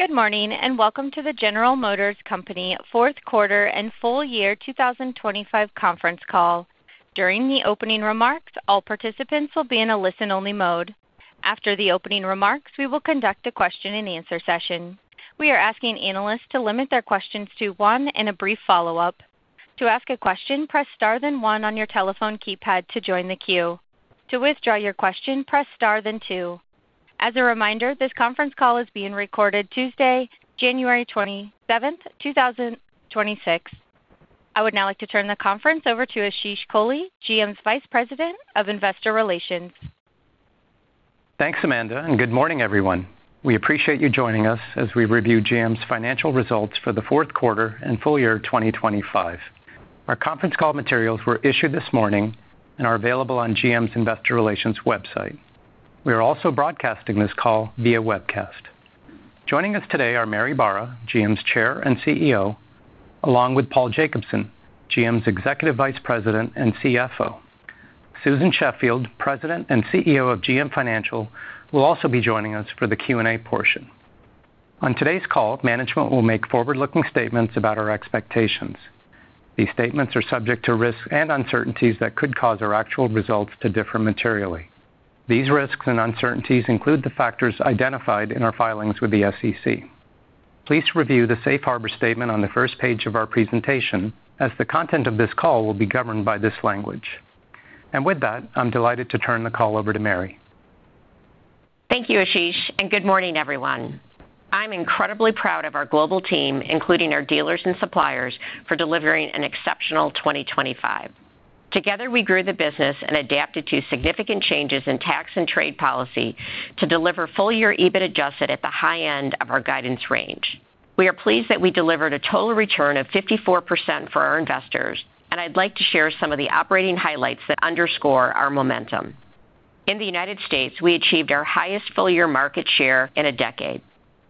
Good morning and welcome to the General Motors Company fourth quarter and full year 2025 conference call. During the opening remarks, all participants will be in a listen-only mode. After the opening remarks, we will conduct a question-and-answer session. We are asking analysts to limit their questions to one and a brief follow-up. To ask a question, press star then one on your telephone keypad to join the queue. To withdraw your question, press star then two. As a reminder, this conference call is being recorded Tuesday, January 27th, 2026. I would now like to turn the conference over to Ashish Kohli, GM's Vice President of Investor Relations. Thanks, Amanda, and good morning, everyone. We appreciate you joining us as we review GM's financial results for the fourth quarter and full year 2025. Our conference call materials were issued this morning and are available on GM's Investor Relations website. We are also broadcasting this call via webcast. Joining us today are Mary Barra, GM's Chair and CEO, along with Paul Jacobson, GM's Executive Vice President and CFO. Susan Sheffield, President and CEO of GM Financial, will also be joining us for the Q&A portion. On today's call, management will make forward-looking statements about our expectations. These statements are subject to risks and uncertainties that could cause our actual results to differ materially. These risks and uncertainties include the factors identified in our filings with the SEC. Please review the safe harbor statement on the first page of our presentation, as the content of this call will be governed by this language. With that, I'm delighted to turn the call over to Mary. Thank you, Ashish, and good morning, everyone. I'm incredibly proud of our global team, including our dealers and suppliers, for delivering an exceptional 2025. Together, we grew the business and adapted to significant changes in tax and trade policy to deliver full-year EBIT adjusted at the high end of our guidance range. We are pleased that we delivered a total return of 54% for our investors, and I'd like to share some of the operating highlights that underscore our momentum. In the United States, we achieved our highest full-year market share in a decade.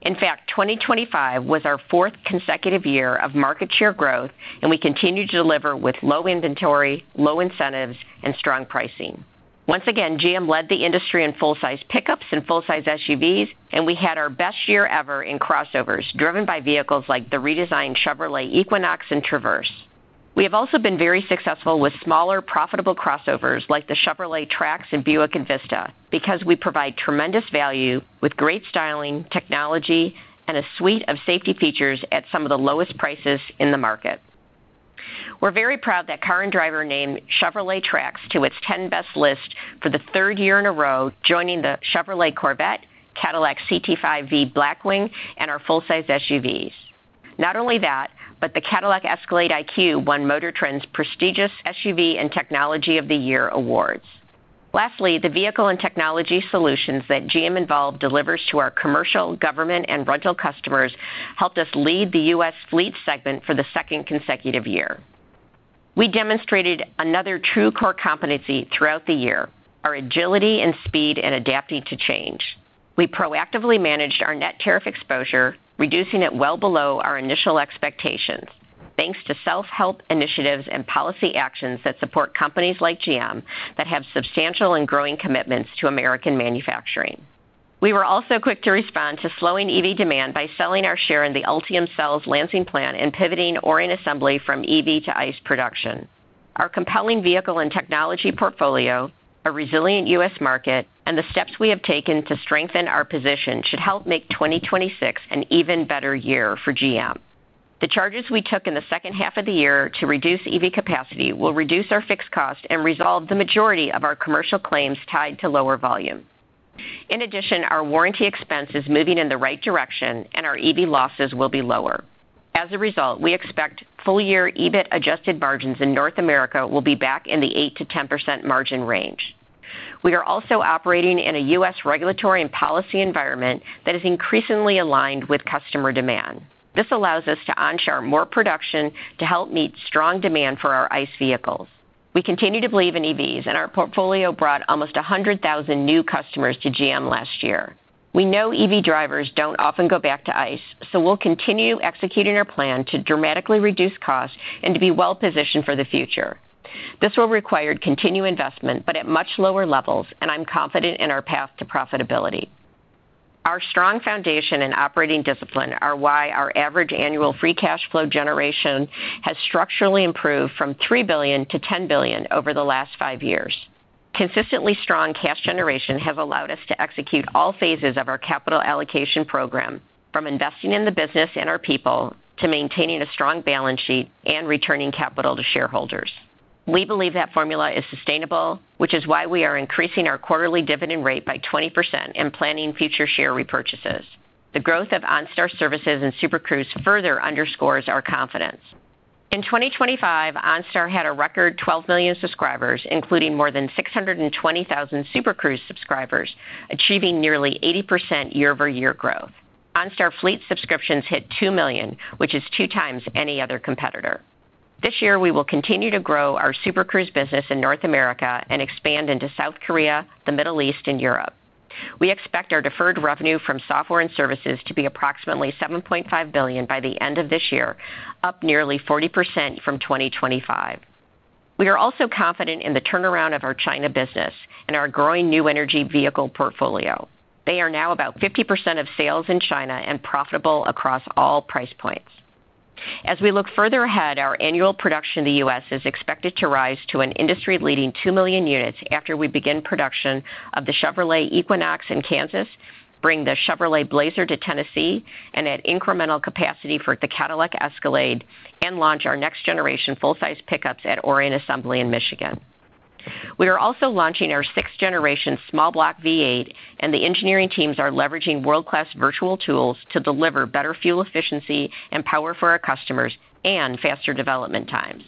In fact, 2025 was our fourth consecutive year of market share growth, and we continue to deliver with low inventory, low incentives, and strong pricing. Once again, GM led the industry in full-size pickups and full-size SUVs, and we had our best year ever in crossovers driven by vehicles like the redesigned Chevrolet Equinox and Traverse. We have also been very successful with smaller, profitable crossovers like the Chevrolet Trax and Buick Envista because we provide tremendous value with great styling, technology, and a suite of safety features at some of the lowest prices in the market. We're very proud that Car and Driver named Chevrolet Trax to its 10 Best list for the third year in a row, joining the Chevrolet Corvette, Cadillac CT5-V Blackwing, and our full-size SUVs. Not only that, but the Cadillac Escalade IQ won MotorTrend's prestigious SUV and Technology of the Year awards. Lastly, the vehicle and technology solutions that GM Envolve delivers to our commercial, government, and rental customers helped us lead the U.S. fleet segment for the second consecutive year. We demonstrated another true core competency throughout the year: our agility and speed in adapting to change. We proactively managed our net tariff exposure, reducing it well below our initial expectations, thanks to self-help initiatives and policy actions that support companies like GM that have substantial and growing commitments to American manufacturing. We were also quick to respond to slowing EV demand by selling our share in the Ultium Cells Lansing plant and pivoting Orion Assembly from EV to ICE production. Our compelling vehicle and technology portfolio, a resilient U.S. market, and the steps we have taken to strengthen our position should help make 2026 an even better year for GM. The charges we took in the second half of the year to reduce EV capacity will reduce our fixed cost and resolve the majority of our commercial claims tied to lower volume. In addition, our warranty expense is moving in the right direction, and our EV losses will be lower. As a result, we expect full-year EBIT adjusted margins in North America will be back in the 8%-10% margin range. We are also operating in a U.S. regulatory and policy environment that is increasingly aligned with customer demand. This allows us to onshore more production to help meet strong demand for our ICE vehicles. We continue to believe in EVs, and our portfolio brought almost 100,000 new customers to GM last year. We know EV drivers don't often go back to ICE, so we'll continue executing our plan to dramatically reduce costs and to be well-positioned for the future. This will require continued investment, but at much lower levels, and I'm confident in our path to profitability. Our strong foundation and operating discipline are why our average annual free cash flow generation has structurally improved from $3 billion-$10 billion over the last five years. Consistently strong cash generation has allowed us to execute all phases of our capital allocation program, from investing in the business and our people to maintaining a strong balance sheet and returning capital to shareholders. We believe that formula is sustainable, which is why we are increasing our quarterly dividend rate by 20% and planning future share repurchases. The growth of OnStar services and Super Cruise further underscores our confidence. In 2025, OnStar had a record 12 million subscribers, including more than 620,000 Super Cruise subscribers, achieving nearly 80% year-over-year growth. OnStar fleet subscriptions hit 2 million, which is 2x any other competitor. This year, we will continue to grow our Super Cruise business in North America and expand into South Korea, the Middle East, and Europe. We expect our deferred revenue from software and services to be approximately $7.5 billion by the end of this year, up nearly 40% from 2025. We are also confident in the turnaround of our China business and our growing new energy vehicle portfolio. They are now about 50% of sales in China and profitable across all price points. As we look further ahead, our annual production in the U.S. is expected to rise to an industry-leading 2 million units after we begin production of the Chevrolet Equinox in Kansas, bring the Chevrolet Blazer to Tennessee, and add incremental capacity for the Cadillac Escalade, and launch our next-generation full-size pickups at Orion Assembly in Michigan. We are also launching our sixth-generation small block V8, and the engineering teams are leveraging world-class virtual tools to deliver better fuel efficiency and power for our customers and faster development times.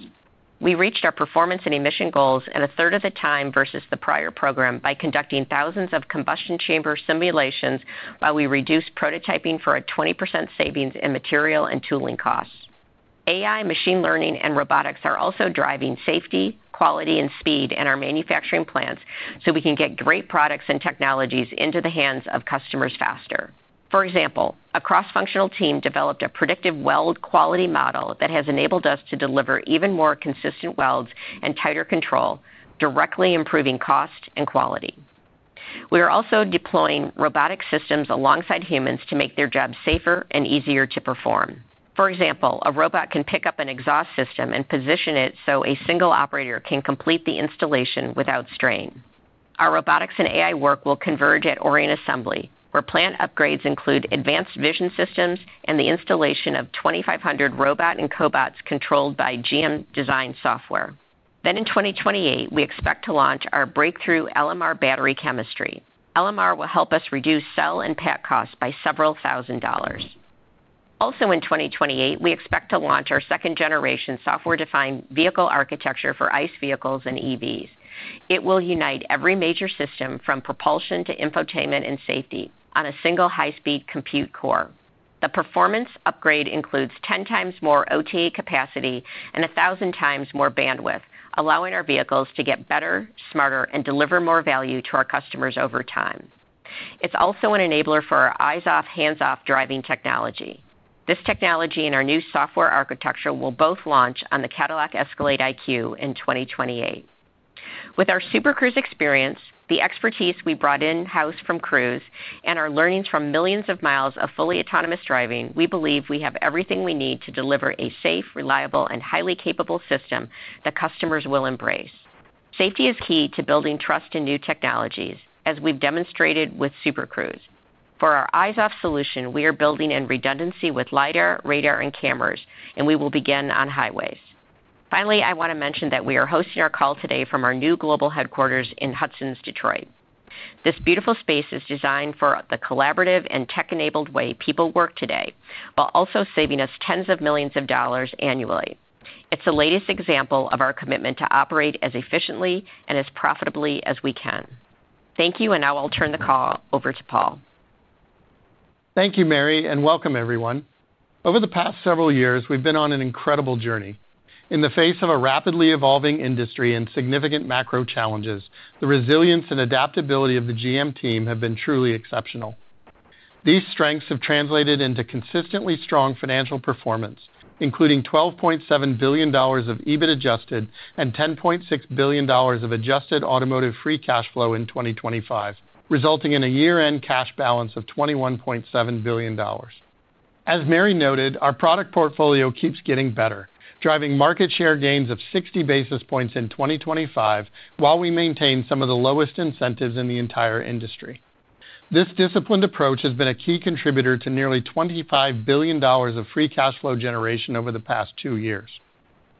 We reached our performance and emission goals at a third of the time versus the prior program by conducting thousands of combustion chamber simulations, while we reduced prototyping for a 20% savings in material and tooling costs. AI, machine learning, and robotics are also driving safety, quality, and speed in our manufacturing plants so we can get great products and technologies into the hands of customers faster. For example, a cross-functional team developed a predictive weld quality model that has enabled us to deliver even more consistent welds and tighter control, directly improving cost and quality. We are also deploying robotic systems alongside humans to make their jobs safer and easier to perform. For example, a robot can pick up an exhaust system and position it so a single operator can complete the installation without strain. Our robotics and AI work will converge at Orion Assembly, where plant upgrades include advanced vision systems and the installation of 2,500 robots and cobots controlled by GM-designed software. Then, in 2028, we expect to launch our breakthrough LMR battery chemistry. LMR will help us reduce cell and PAT costs by $several thousand. Also, in 2028, we expect to launch our second-generation software-defined vehicle architecture for ICE vehicles and EVs. It will unite every major system, from propulsion to infotainment and safety, on a single high-speed compute core. The performance upgrade includes 10 times more OTA capacity and 1,000 times more bandwidth, allowing our vehicles to get better, smarter, and deliver more value to our customers over time. It's also an enabler for our eyes-off, hands-off driving technology. This technology and our new software architecture will both launch on the Cadillac Escalade IQ in 2028. With our Super Cruise experience, the expertise we brought in-house from Cruise, and our learnings from millions of miles of fully autonomous driving, we believe we have everything we need to deliver a safe, reliable, and highly capable system that customers will embrace. Safety is key to building trust in new technologies, as we've demonstrated with Super Cruise. For our eyes-off solution, we are building in redundancy with lidar, radar, and cameras, and we will begin on highways. Finally, I want to mention that we are hosting our call today from our new global headquarters in Hudson's Detroit. This beautiful space is designed for the collaborative and tech-enabled way people work today, while also saving us $tens of millions annually. It's the latest example of our commitment to operate as efficiently and as profitably as we can. Thank you, and now I'll turn the call over to Paul. Thank you, Mary, and welcome, everyone. Over the past several years, we've been on an incredible journey. In the face of a rapidly evolving industry and significant macro challenges, the resilience and adaptability of the GM team have been truly exceptional. These strengths have translated into consistently strong financial performance, including $12.7 billion of EBIT adjusted and $10.6 billion of adjusted automotive free cash flow in 2025, resulting in a year-end cash balance of $21.7 billion. As Mary noted, our product portfolio keeps getting better, driving market share gains of 60 basis points in 2025, while we maintain some of the lowest incentives in the entire industry. This disciplined approach has been a key contributor to nearly $25 billion of free cash flow generation over the past two years.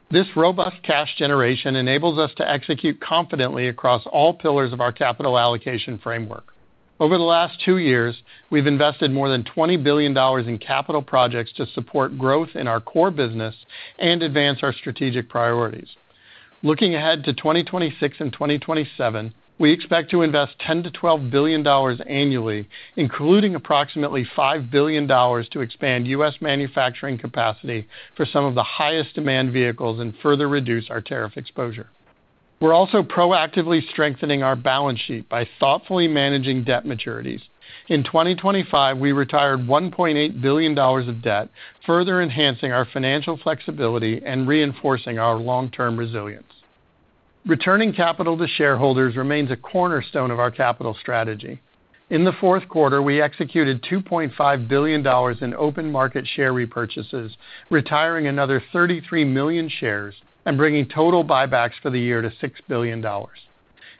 This robust cash generation enables us to execute confidently across all pillars of our capital allocation framework. Over the last two years, we've invested more than $20 billion in capital projects to support growth in our core business and advance our strategic priorities. Looking ahead to 2026 and 2027, we expect to invest $10-$12 billion annually, including approximately $5 billion to expand U.S. manufacturing capacity for some of the highest-demand vehicles and further reduce our tariff exposure. We're also proactively strengthening our balance sheet by thoughtfully managing debt maturities. In 2025, we retired $1.8 billion of debt, further enhancing our financial flexibility and reinforcing our long-term resilience. Returning capital to shareholders remains a cornerstone of our capital strategy. In the fourth quarter, we executed $2.5 billion in open market share repurchases, retiring another 33 million shares and bringing total buybacks for the year to $6 billion.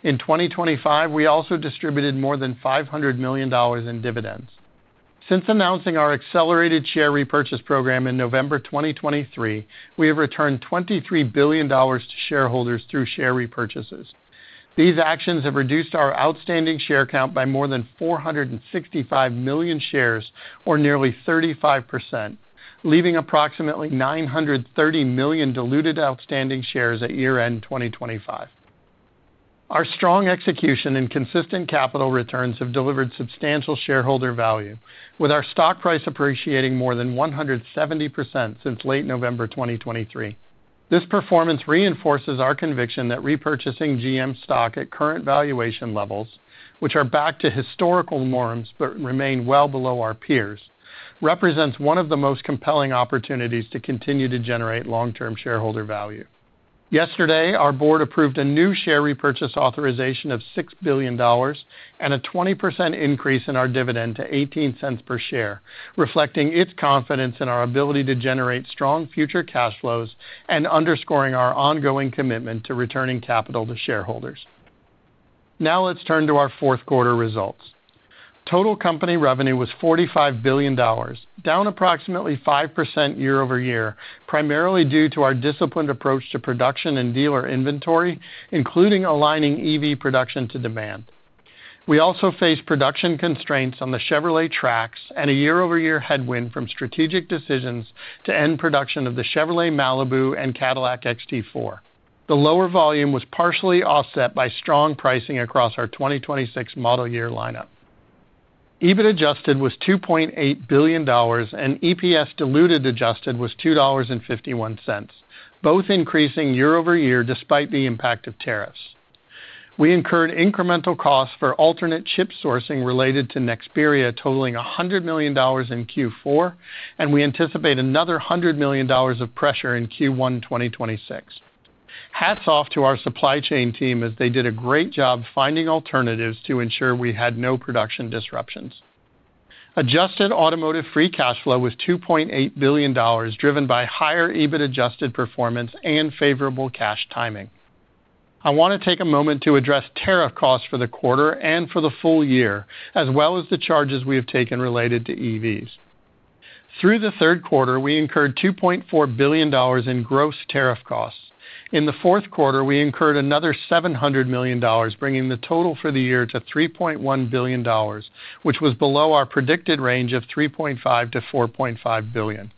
In 2025, we also distributed more than $500 million in dividends. Since announcing our accelerated share repurchase program in November 2023, we have returned $23 billion to shareholders through share repurchases. These actions have reduced our outstanding share count by more than 465 million shares, or nearly 35%, leaving approximately 930 million diluted outstanding shares at year-end 2025. Our strong execution and consistent capital returns have delivered substantial shareholder value, with our stock price appreciating more than 170% since late November 2023. This performance reinforces our conviction that repurchasing GM stock at current valuation levels, which are back to historical norms but remain well below our peers, represents one of the most compelling opportunities to continue to generate long-term shareholder value. Yesterday, our board approved a new share repurchase authorization of $6 billion and a 20% increase in our dividend to $0.18 per share, reflecting its confidence in our ability to generate strong future cash flows and underscoring our ongoing commitment to returning capital to shareholders. Now let's turn to our fourth quarter results. Total company revenue was $45 billion, down approximately 5% year-over-year, primarily due to our disciplined approach to production and dealer inventory, including aligning EV production to demand. We also faced production constraints on the Chevrolet Trax and a year-over-year headwind from strategic decisions to end production of the Chevrolet Malibu and Cadillac XT4. The lower volume was partially offset by strong pricing across our 2026 model year lineup. EBIT adjusted was $2.8 billion, and EPS diluted adjusted was $2.51, both increasing year-over-year despite the impact of tariffs. We incurred incremental costs for alternate chip sourcing related to Nexperia totaling $100 million in Q4, and we anticipate another $100 million of pressure in Q1 2026. Hats off to our supply chain team as they did a great job finding alternatives to ensure we had no production disruptions. Adjusted automotive free cash flow was $2.8 billion, driven by higher EBIT adjusted performance and favorable cash timing. I want to take a moment to address tariff costs for the quarter and for the full year, as well as the charges we have taken related to EVs. Through the third quarter, we incurred $2.4 billion in gross tariff costs. In the fourth quarter, we incurred another $700 million, bringing the total for the year to $3.1 billion, which was below our predicted range of $3.5-$4.5 billion.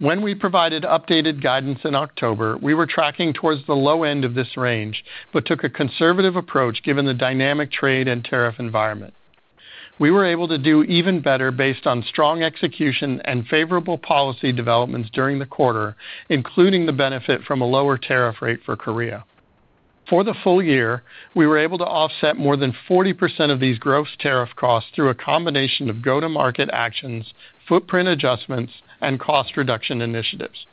When we provided updated guidance in October, we were tracking towards the low end of this range but took a conservative approach given the dynamic trade and tariff environment. We were able to do even better based on strong execution and favorable policy developments during the quarter, including the benefit from a lower tariff rate for Korea. For the full year, we were able to offset more than 40% of these gross tariff costs through a combination of go-to-market actions, footprint adjustments, and cost reduction initiatives.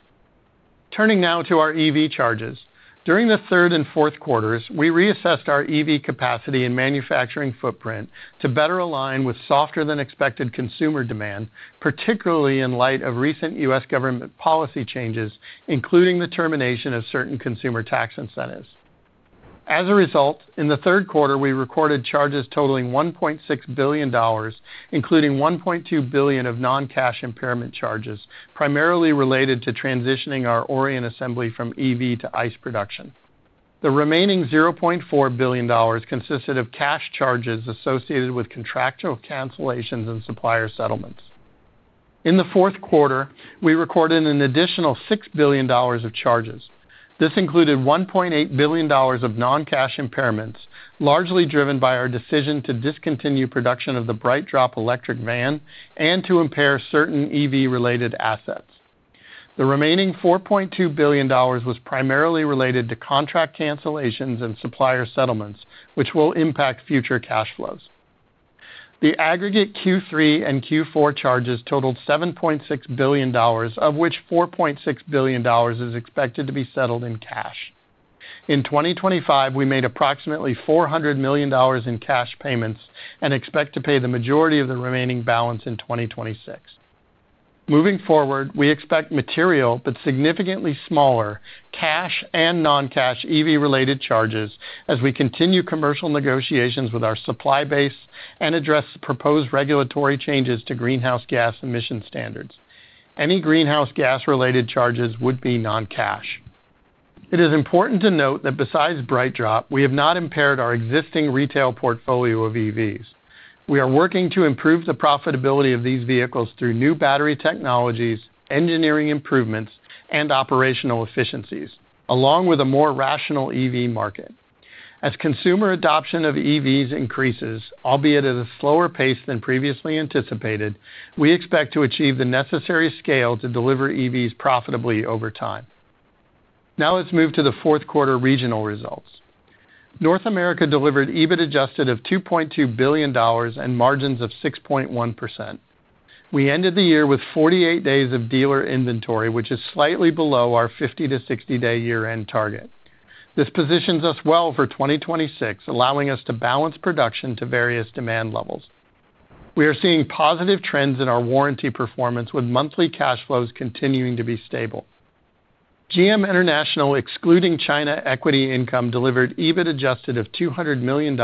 Turning now to our EV charges. During the third and fourth quarters, we reassessed our EV capacity and manufacturing footprint to better align with softer-than-expected consumer demand, particularly in light of recent U.S. government policy changes, including the termination of certain consumer tax incentives. As a result, in the third quarter, we recorded charges totaling $1.6 billion, including $1.2 billion of non-cash impairment charges, primarily related to transitioning our Orion Assembly from EV to ICE production. The remaining $0.4 billion consisted of cash charges associated with contractual cancellations and supplier settlements. In the fourth quarter, we recorded an additional $6 billion of charges. This included $1.8 billion of non-cash impairments, largely driven by our decision to discontinue production of the BrightDrop electric van and to impair certain EV-related assets. The remaining $4.2 billion was primarily related to contract cancellations and supplier settlements, which will impact future cash flows. The aggregate Q3 and Q4 charges totaled $7.6 billion, of which $4.6 billion is expected to be settled in cash. In 2025, we made approximately $400 million in cash payments and expect to pay the majority of the remaining balance in 2026. Moving forward, we expect material but significantly smaller cash and non-cash EV-related charges as we continue commercial negotiations with our supply base and address proposed regulatory changes to greenhouse gas emission standards. Any greenhouse gas-related charges would be non-cash. It is important to note that besides BrightDrop, we have not impaired our existing retail portfolio of EVs. We are working to improve the profitability of these vehicles through new battery technologies, engineering improvements, and operational efficiencies, along with a more rational EV market. As consumer adoption of EVs increases, albeit at a slower pace than previously anticipated, we expect to achieve the necessary scale to deliver EVs profitably over time. Now let's move to the fourth quarter regional results. North America delivered EBIT adjusted of $2.2 billion and margins of 6.1%. We ended the year with 48 days of dealer inventory, which is slightly below our 50-60-day year-end target. This positions us well for 2026, allowing us to balance production to various demand levels. We are seeing positive trends in our warranty performance, with monthly cash flows continuing to be stable. GM International, excluding China equity income, delivered EBIT adjusted of $200 million,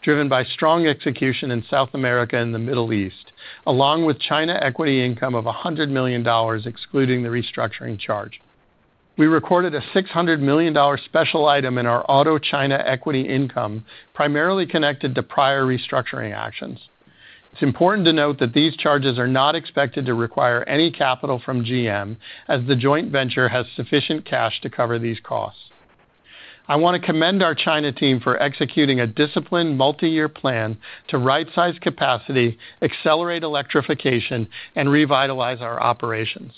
driven by strong execution in South America and the Middle East, along with China equity income of $100 million, excluding the restructuring charge. We recorded a $600 million special item in our auto China equity income, primarily connected to prior restructuring actions. It's important to note that these charges are not expected to require any capital from GM, as the joint venture has sufficient cash to cover these costs. I want to commend our China team for executing a disciplined multi-year plan to right-size capacity, accelerate electrification, and revitalize our operations.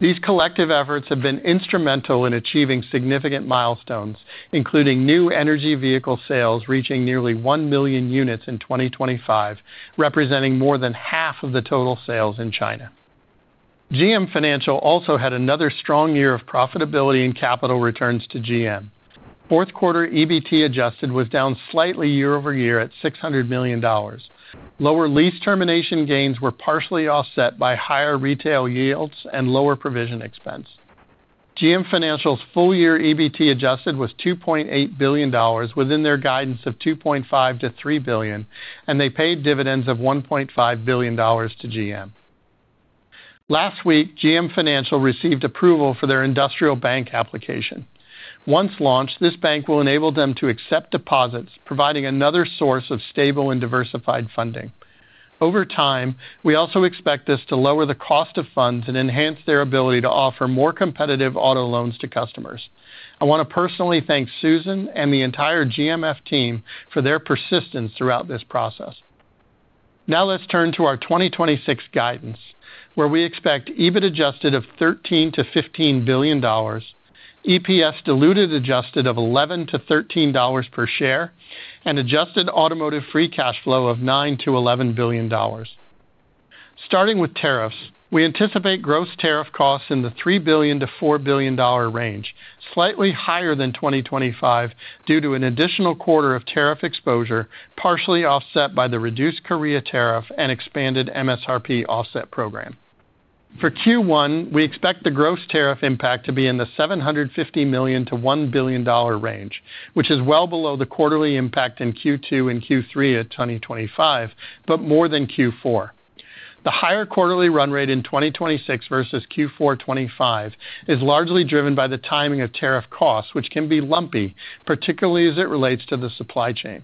These collective efforts have been instrumental in achieving significant milestones, including new energy vehicle sales reaching nearly 1 million units in 2025, representing more than half of the total sales in China. GM Financial also had another strong year of profitability and capital returns to GM. Fourth quarter EBIT adjusted was down slightly year-over-year at $600 million. Lower lease termination gains were partially offset by higher retail yields and lower provision expense. GM Financial's full-year EBIT adjusted was $2.8 billion, within their guidance of $2.5-$3 billion, and they paid dividends of $1.5 billion to GM. Last week, GM Financial received approval for their industrial bank application. Once launched, this bank will enable them to accept deposits, providing another source of stable and diversified funding. Over time, we also expect this to lower the cost of funds and enhance their ability to offer more competitive auto loans to customers. I want to personally thank Susan and the entire GMF team for their persistence throughout this process. Now let's turn to our 2026 guidance, where we expect EBIT adjusted of $13-$15 billion, EPS diluted adjusted of $11-$13 per share, and adjusted automotive free cash flow of $9-$11 billion. Starting with tariffs, we anticipate gross tariff costs in the $3-$4 billion range, slightly higher than 2025 due to an additional quarter of tariff exposure, partially offset by the reduced Korea tariff and expanded MSRP offset program. For Q1, we expect the gross tariff impact to be in the $750 million-$1 billion range, which is well below the quarterly impact in Q2 and Q3 of 2025, but more than Q4. The higher quarterly run rate in 2026 versus Q4 2025 is largely driven by the timing of tariff costs, which can be lumpy, particularly as it relates to the supply chain.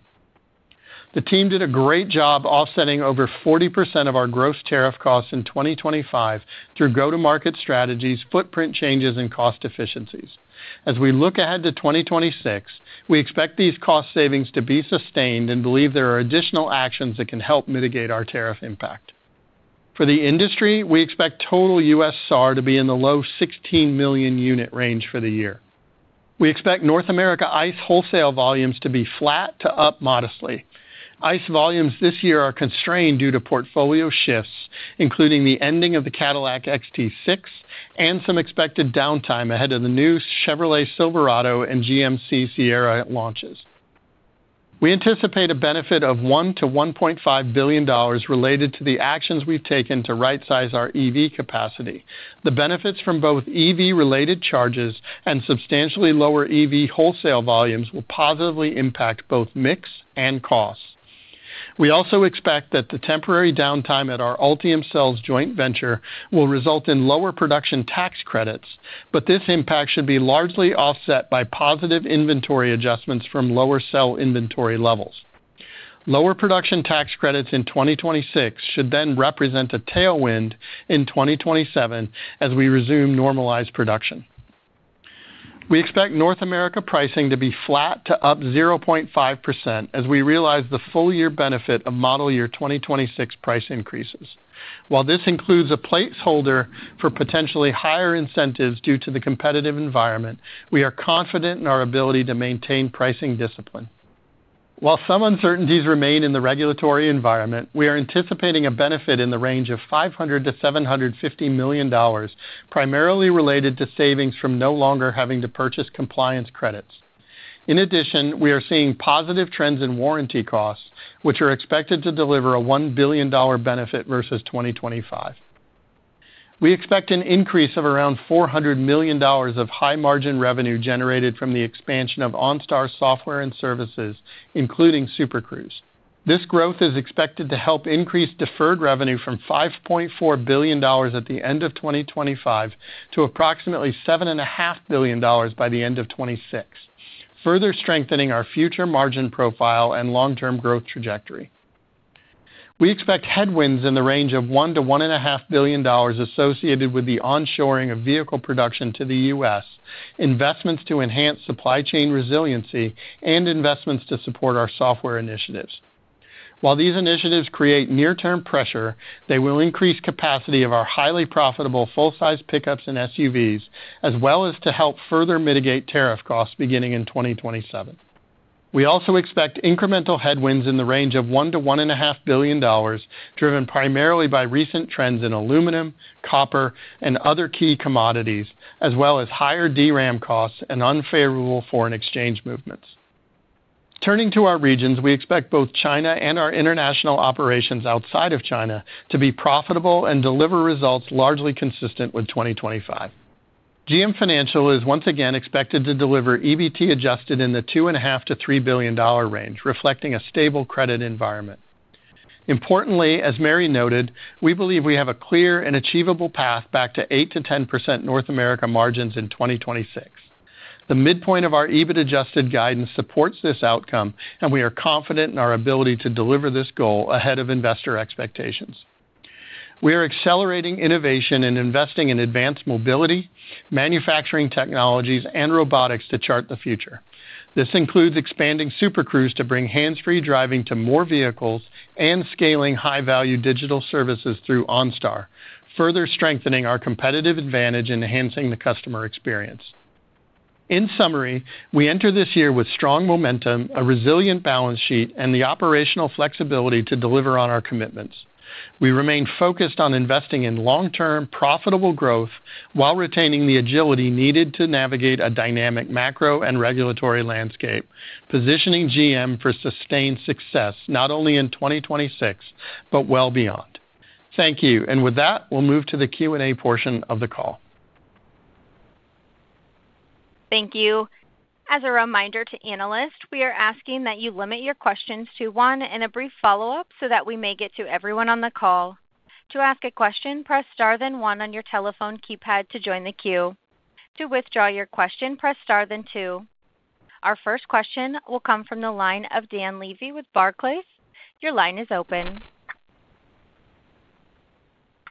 The team did a great job offsetting over 40% of our gross tariff costs in 2025 through go-to-market strategies, footprint changes, and cost efficiencies. As we look ahead to 2026, we expect these cost savings to be sustained and believe there are additional actions that can help mitigate our tariff impact. For the industry, we expect total U.S. SAAR to be in the low 16 million unit range for the year. We expect North America ICE wholesale volumes to be flat to up modestly. ICE volumes this year are constrained due to portfolio shifts, including the ending of the Cadillac XT6 and some expected downtime ahead of the new Chevrolet Silverado and GMC Sierra launches. We anticipate a benefit of $1 billion-$1.5 billion related to the actions we've taken to right-size our EV capacity. The benefits from both EV-related charges and substantially lower EV wholesale volumes will positively impact both mix and cost. We also expect that the temporary downtime at our Ultium Cells joint venture will result in lower production tax credits, but this impact should be largely offset by positive inventory adjustments from lower cell inventory levels. Lower production tax credits in 2026 should then represent a tailwind in 2027 as we resume normalized production. We expect North America pricing to be flat to up 0.5% as we realize the full-year benefit of model year 2026 price increases. While this includes a placeholder for potentially higher incentives due to the competitive environment, we are confident in our ability to maintain pricing discipline. While some uncertainties remain in the regulatory environment, we are anticipating a benefit in the range of $500-$750 million, primarily related to savings from no longer having to purchase compliance credits. In addition, we are seeing positive trends in warranty costs, which are expected to deliver a $1 billion benefit versus 2025. We expect an increase of around $400 million of high-margin revenue generated from the expansion of OnStar software and services, including Super Cruise. This growth is expected to help increase deferred revenue from $5.4 billion at the end of 2025 to approximately $7.5 billion by the end of 2026, further strengthening our future margin profile and long-term growth trajectory. We expect headwinds in the range of $1-$1.5 billion associated with the onshoring of vehicle production to the U.S., investments to enhance supply chain resiliency, and investments to support our software initiatives. While these initiatives create near-term pressure, they will increase capacity of our highly profitable full-size pickups and SUVs, as well as to help further mitigate tariff costs beginning in 2027. We also expect incremental headwinds in the range of $1-$1.5 billion, driven primarily by recent trends in aluminum, copper, and other key commodities, as well as higher DRAM costs and unfavorable foreign exchange movements. Turning to our regions, we expect both China and our international operations outside of China to be profitable and deliver results largely consistent with 2025. GM Financial is once again expected to deliver EBIT adjusted in the $2.5-$3 billion range, reflecting a stable credit environment. Importantly, as Mary noted, we believe we have a clear and achievable path back to 8%-10% North America margins in 2026. The midpoint of our EBIT adjusted guidance supports this outcome, and we are confident in our ability to deliver this goal ahead of investor expectations. We are accelerating innovation and investing in advanced mobility, manufacturing technologies, and robotics to chart the future. This includes expanding Super Cruise to bring hands-free driving to more vehicles and scaling high-value digital services through OnStar, further strengthening our competitive advantage and enhancing the customer experience. In summary, we enter this year with strong momentum, a resilient balance sheet, and the operational flexibility to deliver on our commitments. We remain focused on investing in long-term profitable growth while retaining the agility needed to navigate a dynamic macro and regulatory landscape, positioning GM for sustained success not only in 2026, but well beyond. Thank you. And with that, we'll move to the Q&A portion of the call. Thank you. As a reminder to analysts, we are asking that you limit your questions to one and a brief follow-up so that we may get to everyone on the call. To ask a question, press star then one on your telephone keypad to join the queue. To withdraw your question, press star then two. Our first question will come from the line of Dan Levy with Barclays. Your line is open.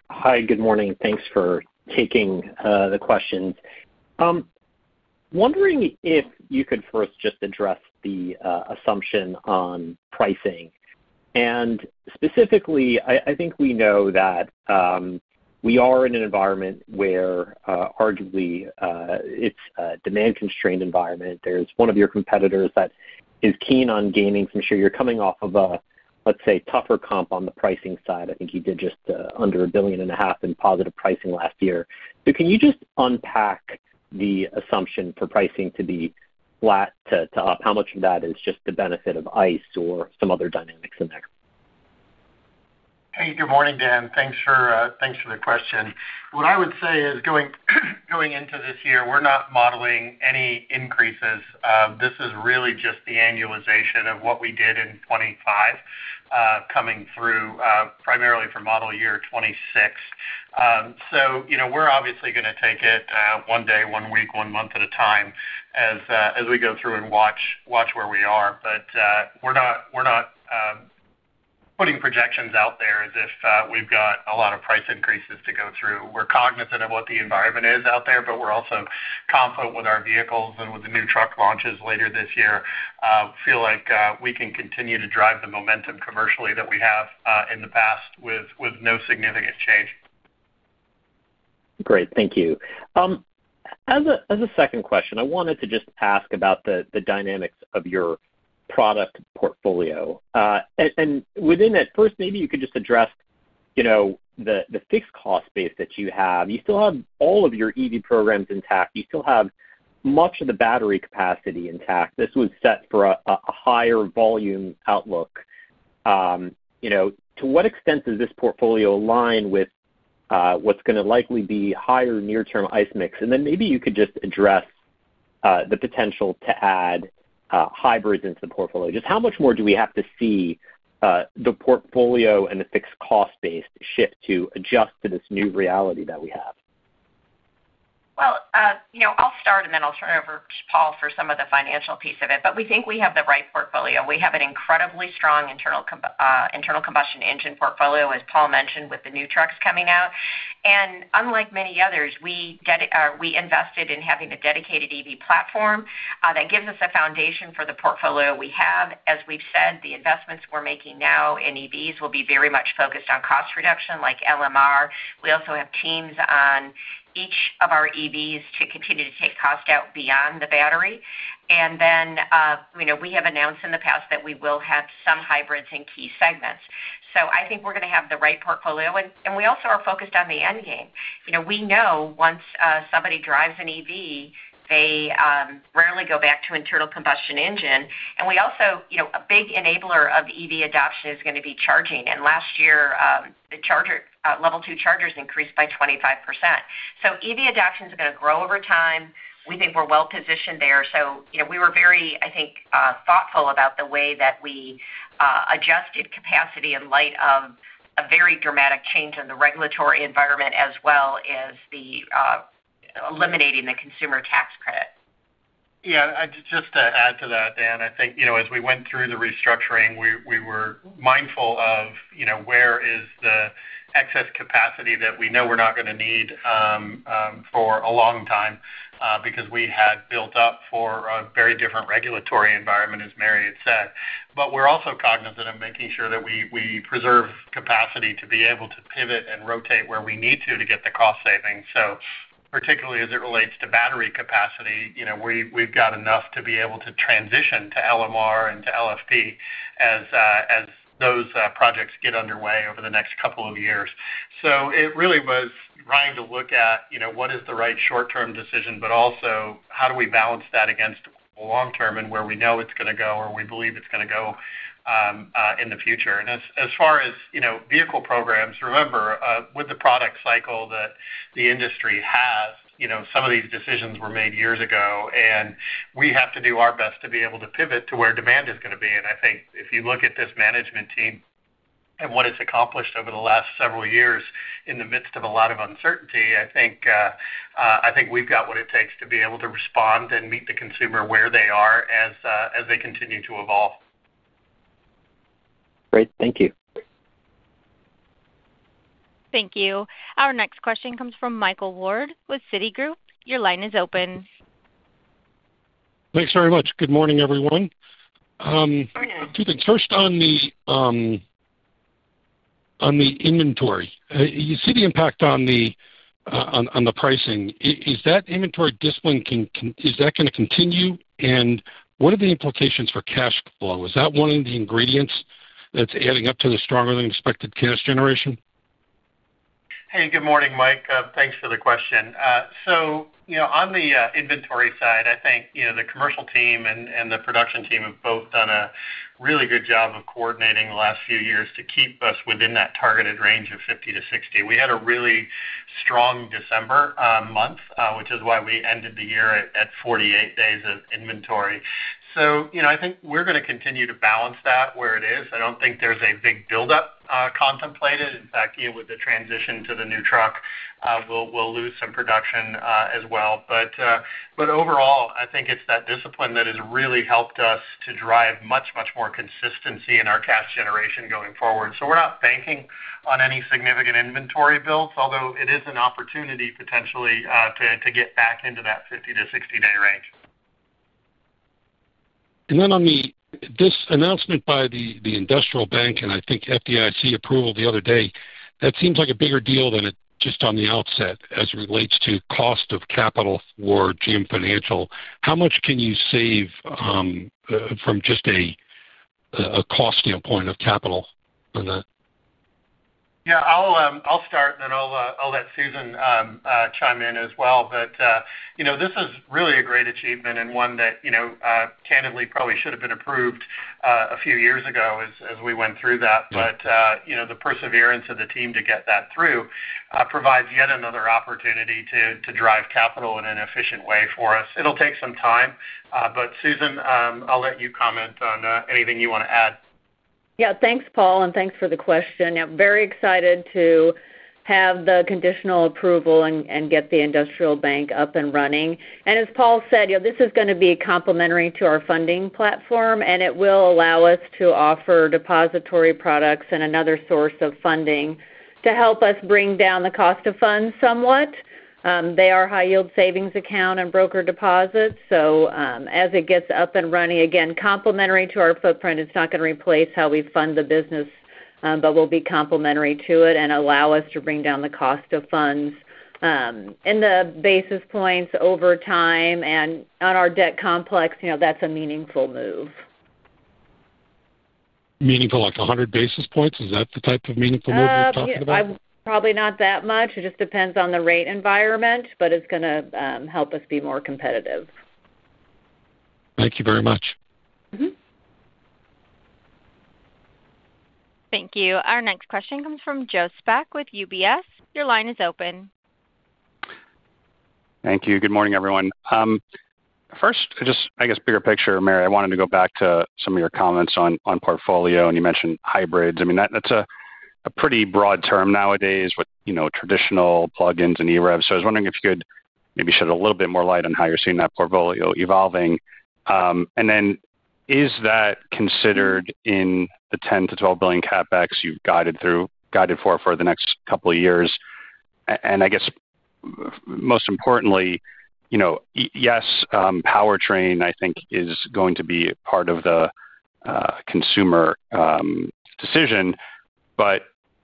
Hi, good morning. Thanks for taking the questions. Wondering if you could first just address the assumption on pricing. And specifically, I think we know that we are in an environment where arguably it's a demand-constrained environment. There's one of your competitors that is keen on gaining. I'm sure you're coming off of a, let's say, tougher comp on the pricing side. I think you did just under $1.5 billion in positive pricing last year. So can you just unpack the assumption for pricing to be flat to up? How much of that is just the benefit of ice or some other dynamics in there? Hey, good morning, Dan. Thanks for the question. What I would say is going into this year, we're not modeling any increases. This is really just the annualization of what we did in 2025 coming through primarily for model year 2026. So we're obviously going to take it one day, one week, one month at a time as we go through and watch where we are. But we're not putting projections out there as if we've got a lot of price increases to go through. We're cognizant of what the environment is out there, but we're also confident with our vehicles and with the new truck launches later this year. I feel like we can continue to drive the momentum commercially that we have in the past with no significant change. Great. Thank you. As a second question, I wanted to just ask about the dynamics of your product portfolio. Within that, first, maybe you could just address the fixed cost base that you have. You still have all of your EV programs intact. You still have much of the battery capacity intact. This was set for a higher volume outlook. To what extent does this portfolio align with what's going to likely be higher near-term ICE mix? Then maybe you could just address the potential to add hybrids into the portfolio. Just how much more do we have to see the portfolio and the fixed cost base shift to adjust to this new reality that we have? Well, I'll start, and then I'll turn it over to Paul for some of the financial piece of it. But we think we have the right portfolio. We have an incredibly strong internal combustion engine portfolio, as Paul mentioned, with the new trucks coming out. And unlike many others, we invested in having a dedicated EV platform that gives us a foundation for the portfolio we have. As we've said, the investments we're making now in EVs will be very much focused on cost reduction, like LMR. We also have teams on each of our EVs to continue to take cost out beyond the battery. And then we have announced in the past that we will have some hybrids in key segments. So I think we're going to have the right portfolio. And we also are focused on the end game. We know once somebody drives an EV, they rarely go back to internal combustion engine. And we also, a big enabler of EV adoption is going to be charging. And last year, the level two chargers increased by 25%. So EV adoption is going to grow over time. We think we're well positioned there. So we were very, I think, thoughtful about the way that we adjusted capacity in light of a very dramatic change in the regulatory environment, as well as eliminating the consumer tax credit. Yeah. Just to add to that, Dan, I think as we went through the restructuring, we were mindful of where is the excess capacity that we know we're not going to need for a long time because we had built up for a very different regulatory environment, as Mary had said. But we're also cognizant of making sure that we preserve capacity to be able to pivot and rotate where we need to to get the cost savings. So particularly as it relates to battery capacity, we've got enough to be able to transition to LMR and to LFP as those projects get underway over the next couple of years. So it really was trying to look at what is the right short-term decision, but also how do we balance that against the long term and where we know it's going to go or we believe it's going to go in the future. And as far as vehicle programs, remember, with the product cycle that the industry has, some of these decisions were made years ago, and we have to do our best to be able to pivot to where demand is going to be. And I think if you look at this management team and what it's accomplished over the last several years in the midst of a lot of uncertainty, I think we've got what it takes to be able to respond and meet the consumer where they are as they continue to evolve. Great. Thank you. Thank you. Our next question comes from Michael Ward with Citigroup. Your line is open. Thanks very much. Good morning, everyone. Good morning. Two things. First, on the inventory, you see the impact on the pricing. Is that inventory discipline going to continue, and what are the implications for cash flow? Is that one of the ingredients that's adding up to the stronger-than-expected cash generation? Hey, good morning, Mike. Thanks for the question. So on the inventory side, I think the commercial team and the production team have both done a really good job of coordinating the last few years to keep us within that targeted range of 50-60. We had a really strong December month, which is why we ended the year at 48 days of inventory. So I think we're going to continue to balance that where it is. I don't think there's a big buildup contemplated. In fact, with the transition to the new truck, we'll lose some production as well. But overall, I think it's that discipline that has really helped us to drive much, much more consistency in our cash generation going forward. So we're not banking on any significant inventory builds, although it is an opportunity potentially to get back into that 50-60-day range. And then on this announcement by the Industrial Bank and I think FDIC approval the other day, that seems like a bigger deal than it just on the outset as it relates to cost of capital for GM Financial. How much can you save from just a cost standpoint of capital on that? Yeah. I'll start, and then I'll let Susan chime in as well. But this is really a great achievement and one that candidly probably should have been approved a few years ago as we went through that. But the perseverance of the team to get that through provides yet another opportunity to drive capital in an efficient way for us. It'll take some time. But Susan, I'll let you comment on anything you want to add. Yeah. Thanks, Paul, and thanks for the question. Very excited to have the conditional approval and get the Industrial Bank up and running. And as Paul said, this is going to be complementary to our funding platform, and it will allow us to offer depository products and another source of funding to help us bring down the cost of funds somewhat. They are high-yield savings account and broker deposits. So as it gets up and running, again, complementary to our footprint, it's not going to replace how we fund the business, but will be complementary to it and allow us to bring down the cost of funds. And the basis points over time and on our debt complex, that's a meaningful move. Meaningful, like 100 basis points? Is that the type of meaningful move we're talking about? Probably not that much. It just depends on the rate environment, but it's going to help us be more competitive. Thank you very much. Thank you. Our next question comes from Joseph Spak with UBS. Your line is open. Thank you. Good morning, everyone. First, just I guess bigger picture, Mary, I wanted to go back to some of your comments on portfolio, and you mentioned hybrids. I mean, that's a pretty broad term nowadays with traditional plugins and EREVs. So I was wondering if you could maybe shed a little bit more light on how you're seeing that portfolio evolving. And then is that considered in the $10 billion-$12 billion CapEx you've guided for for the next couple of years? And I guess most importantly, yes, powertrain, I think, is going to be part of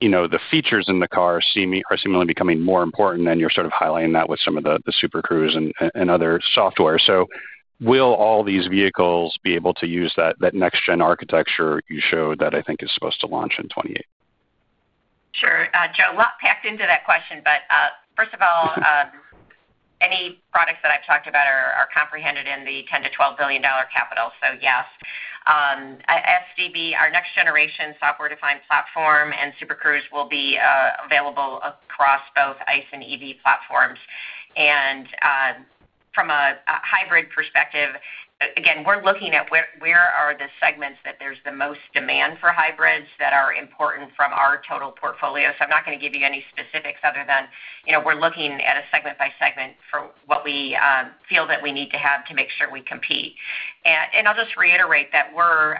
the consumer decision, but the features in the car are seemingly becoming more important than you're sort of highlighting that with some of the Super Cruise and other software. So will all these vehicles be able to use that next-gen architecture you showed that I think is supposed to launch in 2028? Sure. Joe, a lot packed into that question, but first of all, any products that I've talked about are comprehended in the $10 billion-$12 billion dollar capital. So yes. SDV, our next-generation software-defined platform, and Super Cruise will be available across both ICE and EV platforms. From a hybrid perspective, again, we're looking at where are the segments that there's the most demand for hybrids that are important from our total portfolio. So I'm not going to give you any specifics other than we're looking at a segment-by-segment for what we feel that we need to have to make sure we compete. I'll just reiterate that we're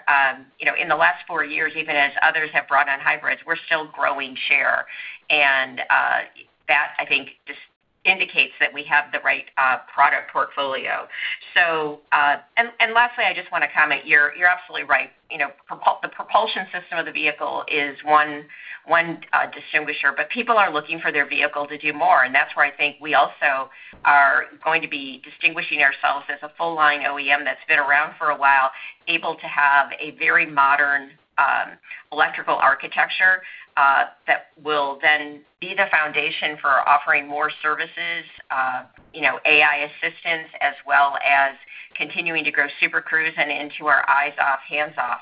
in the last four years, even as others have brought on hybrids, we're still growing share. That, I think, just indicates that we have the right product portfolio. Lastly, I just want to comment. You're absolutely right. The propulsion system of the vehicle is one distinguisher, but people are looking for their vehicle to do more. And that's where I think we also are going to be distinguishing ourselves as a full-line OEM that's been around for a while, able to have a very modern electrical architecture that will then be the foundation for offering more services, AI assistance, as well as continuing to grow Super Cruise and into our eyes-off, hands-off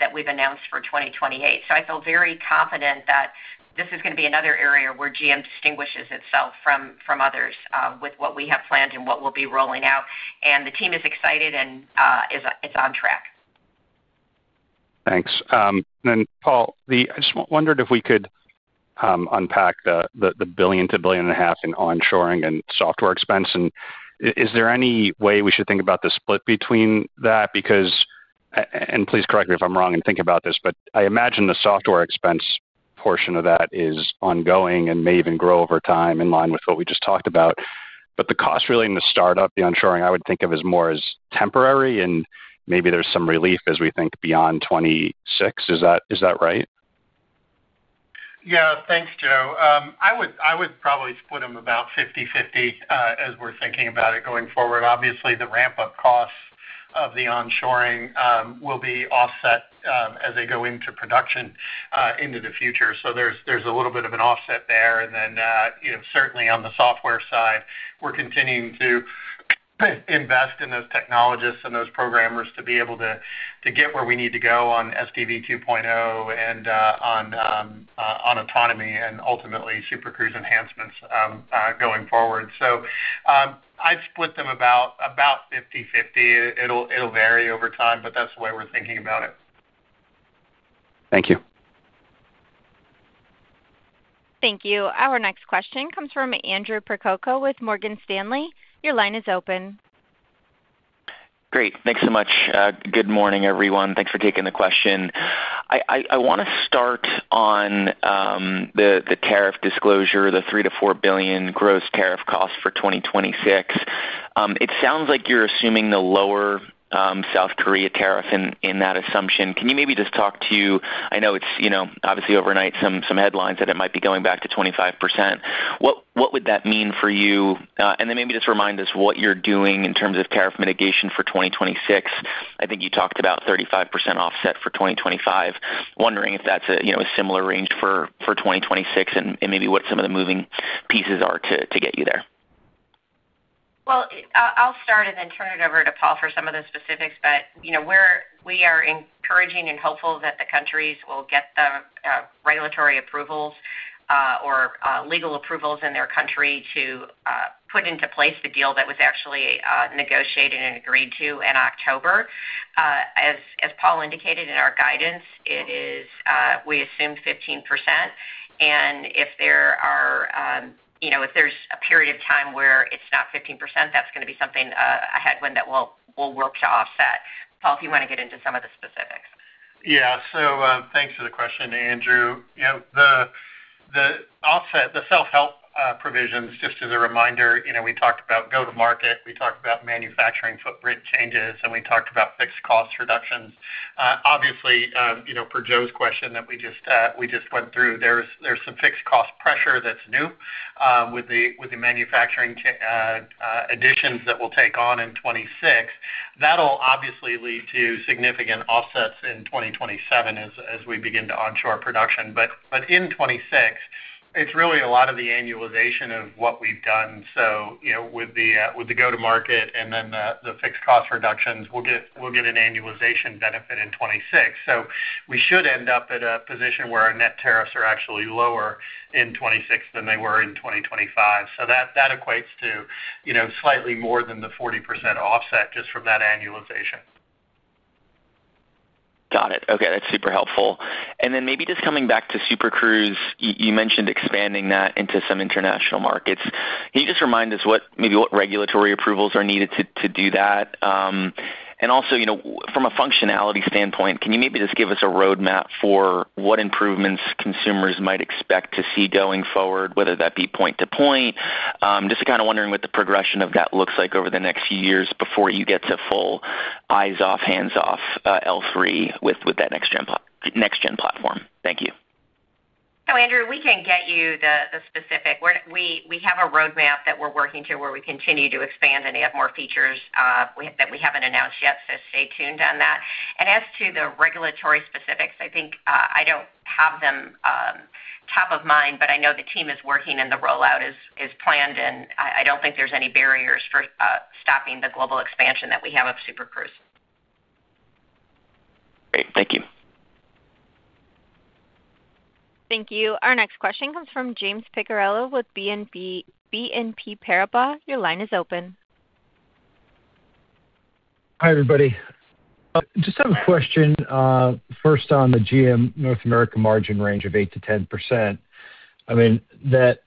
that we've announced for 2028. So I feel very confident that this is going to be another area where GM distinguishes itself from others with what we have planned and what we'll be rolling out. And the team is excited and it's on track. Thanks. And then, Paul, I just wondered if we could unpack the $1 billion-$1.5 billion in onshoring and software expense. And is there any way we should think about the split between that? Please correct me if I'm wrong in thinking about this, but I imagine the software expense portion of that is ongoing and may even grow over time in line with what we just talked about. But the cost really in the startup, the onshoring, I would think of as more as temporary, and maybe there's some relief as we think beyond 2026. Is that right? Yeah. Thanks, Joe. I would probably split them about 50/50 as we're thinking about it going forward. Obviously, the ramp-up costs of the onshoring will be offset as they go into production into the future. So there's a little bit of an offset there. And then certainly on the software side, we're continuing to invest in those technologists and those programmers to be able to get where we need to go on SDV 2.0 and on autonomy and ultimately Super Cruise enhancements going forward. So I'd split them about 50/50. It'll vary over time, but that's the way we're thinking about it. Thank you. Thank you. Our next question comes from Andrew Percoco with Morgan Stanley. Your line is open. Great. Thanks so much. Good morning, everyone. Thanks for taking the question. I want to start on the tariff disclosure, the $3 billion-$4 billion gross tariff cost for 2026. It sounds like you're assuming the lower South Korea tariff in that assumption. Can you maybe just talk to you? I know it's obviously overnight, some headlines that it might be going back to 25%. What would that mean for you? And then maybe just remind us what you're doing in terms of tariff mitigation for 2026. I think you talked about 35% offset for 2025. Wondering if that's a similar range for 2026 and maybe what some of the moving pieces are to get you there. Well, I'll start and then turn it over to Paul for some of the specifics, but we are encouraging and hopeful that the countries will get the regulatory approvals or legal approvals in their country to put into place the deal that was actually negotiated and agreed to in October. As Paul indicated in our guidance, we assumed 15%. And if there's a period of time where it's not 15%, that's going to be something ahead when that will work to offset. Paul, if you want to get into some of the specifics. Yeah. So thanks for the question, Andrew. The offset, the self-help provisions, just as a reminder, we talked about go-to-market. We talked about manufacturing footprint changes, and we talked about fixed cost reductions. Obviously, per Joe's question that we just went through, there's some fixed cost pressure that's new with the manufacturing additions that we'll take on in 2026. That'll obviously lead to significant offsets in 2027 as we begin to onshore production. But in 2026, it's really a lot of the annualization of what we've done. So with the go-to-market and then the fixed cost reductions, we'll get an annualization benefit in 2026. So we should end up at a position where our net tariffs are actually lower in 2026 than they were in 2025. So that equates to slightly more than the 40% offset just from that annualization. Got it. Okay. That's super helpful. And then maybe just coming back to Super Cruise, you mentioned expanding that into some international markets. Can you just remind us maybe what regulatory approvals are needed to do that? From a functionality standpoint, can you maybe just give us a roadmap for what improvements consumers might expect to see going forward, whether that be point-to-point? Just kind of wondering what the progression of that looks like over the next few years before you get to full eyes-off, hands-off L3 with that next-gen platform. Thank you. So, Andrew, we can get you the specific. We have a roadmap that we're working to where we continue to expand and add more features that we haven't announced yet. So stay tuned on that. And as to the regulatory specifics, I think I don't have them top of mind, but I know the team is working and the rollout is planned, and I don't think there's any barriers for stopping the global expansion that we have of Super Cruise. Great. Thank you. Thank you. Our next question comes from James Picariello with BNP Paribas. Your line is open. Hi, everybody. Just have a question. First, on the GM North America margin range of 8%-10%, I mean, that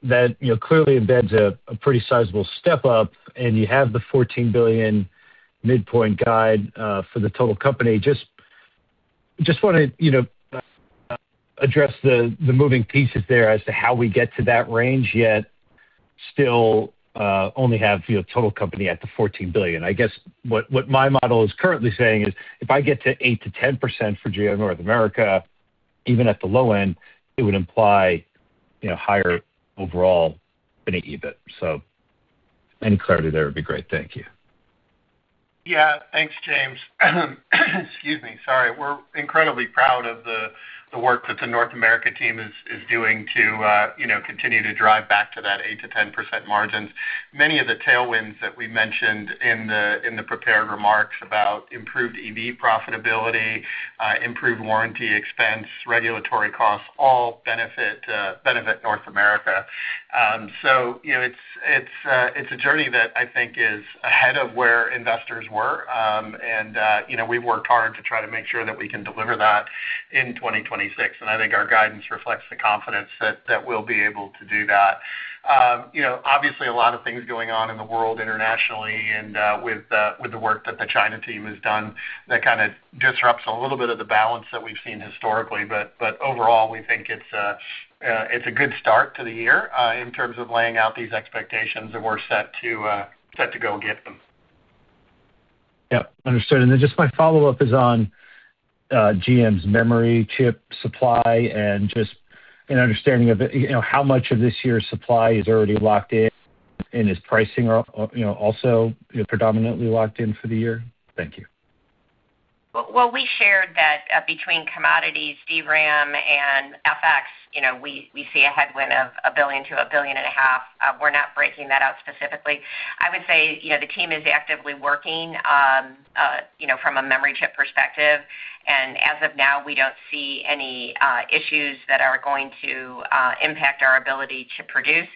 clearly embeds a pretty sizable step up, and you have the $14 billion midpoint guide for the total company. Just want to address the moving pieces there as to how we get to that range, yet still only have total company at the $14 billion. I guess what my model is currently saying is if I get to 8%-10% for GM North America, even at the low end, it would imply higher overall than an EBIT. So any clarity there would be great. Thank you. Yeah. Thanks, James. Excuse me. Sorry. We're incredibly proud of the work that the North America team is doing to continue to drive back to that 8%-10% margins. Many of the tailwinds that we mentioned in the prepared remarks about improved EV profitability, improved warranty expense, regulatory costs all benefit North America. So it's a journey that I think is ahead of where investors were, and we've worked hard to try to make sure that we can deliver that in 2026. And I think our guidance reflects the confidence that we'll be able to do that. Obviously, a lot of things going on in the world internationally and with the work that the China team has done that kind of disrupts a little bit of the balance that we've seen historically. But overall, we think it's a good start to the year in terms of laying out these expectations, and we're set to go get them. Yep. Understood. And then just my follow-up is on GM's memory chip supply and just an understanding of how much of this year's supply is already locked in, and is pricing also predominantly locked in for the year? Thank you. Well, we shared that between commodities, DRAM, and FX, we see a headwind of $1 billion-$1.5 billion. We're not breaking that out specifically. I would say the team is actively working from a memory chip perspective. And as of now, we don't see any issues that are going to impact our ability to produce.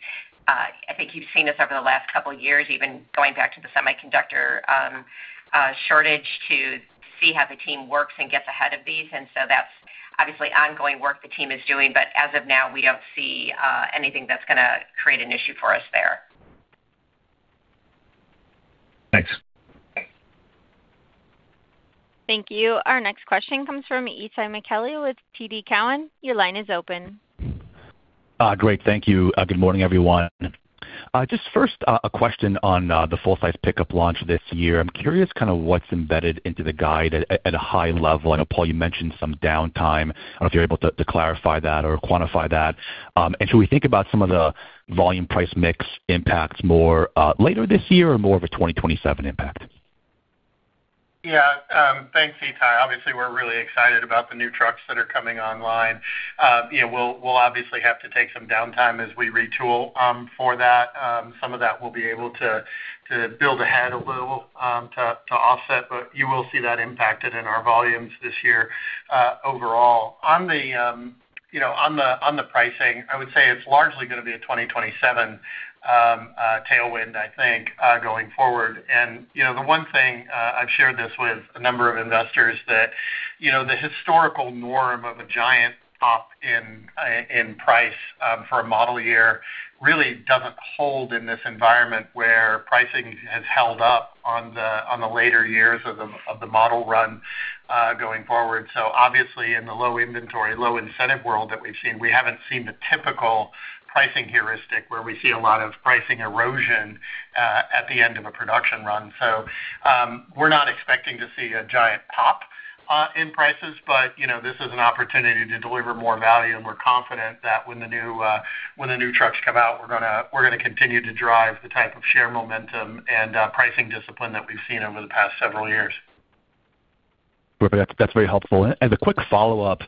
I think you've seen this over the last couple of years, even going back to the semiconductor shortage to see how the team works and gets ahead of these. And so that's obviously ongoing work the team is doing. But as of now, we don't see anything that's going to create an issue for us there. Thanks. Thank you. Our next question comes from Isaiah McKelly with TD Cowen. Your line is open. Great. Thank you. Good morning, everyone. Just first, a question on the full-size pickup launch this year. I'm curious kind of what's embedded into the guide at a high level. I know, Paul, you mentioned some downtime. I don't know if you're able to clarify that or quantify that. And should we think about some of the volume price mix impacts more later this year or more of a 2027 impact? Yeah. Thanks, Itai. Obviously, we're really excited about the new trucks that are coming online. We'll obviously have to take some downtime as we retool for that. Some of that we'll be able to build ahead a little to offset, but you will see that impacted in our volumes this year overall. On the pricing, I would say it's largely going to be a 2027 tailwind, I think, going forward. And the one thing I've shared this with a number of investors that the historical norm of a giant pop in price for a model year really doesn't hold in this environment where pricing has held up on the later years of the model run going forward. So obviously, in the low inventory, low incentive world that we've seen, we haven't seen the typical pricing heuristic where we see a lot of pricing erosion at the end of a production run. We're not expecting to see a giant pop in prices, but this is an opportunity to deliver more value. We're confident that when the new trucks come out, we're going to continue to drive the type of share momentum and pricing discipline that we've seen over the past several years. That's very helpful. As a quick follow-up,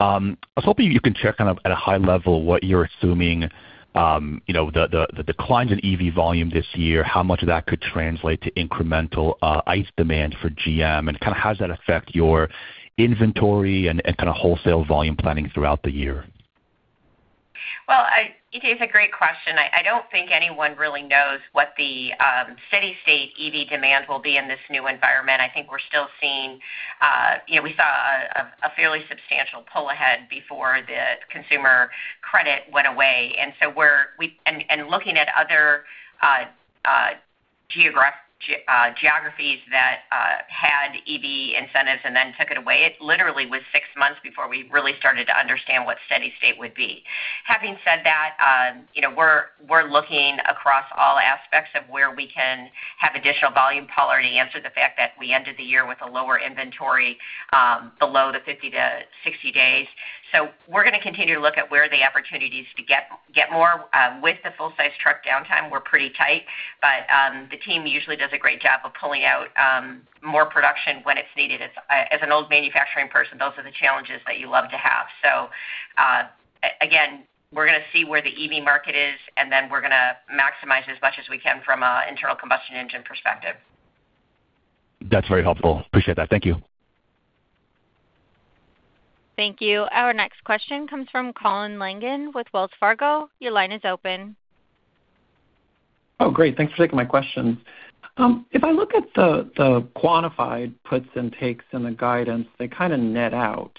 I was hoping you can share kind of at a high level what you're assuming the declines in EV volume this year, how much of that could translate to incremental ICE demand for GM, and kind of how does that affect your inventory and kind of wholesale volume planning throughout the year? Well, it's a great question. I don't think anyone really knows what the city-state EV demand will be in this new environment. I think we're still seeing we saw a fairly substantial pull ahead before the consumer credit went away. So we're looking at other geographies that had EV incentives and then took it away. It literally was six months before we really started to understand what steady state would be. Having said that, we're looking across all aspects of where we can have additional volume power to answer the fact that we ended the year with a lower inventory below the 50-60 days. So we're going to continue to look at where the opportunities to get more with the full-size truck downtime. We're pretty tight, but the team usually does a great job of pulling out more production when it's needed. As an old manufacturing person, those are the challenges that you love to have. So again, we're going to see where the EV market is, and then we're going to maximize as much as we can from an internal combustion engine perspective. That's very helpful. Appreciate that. Thank you. Thank you. Our next question comes from Colin Langan with Wells Fargo. Your line is open. Oh, great. Thanks for taking my questions. If I look at the quantified puts and takes in the guidance, they kind of net out.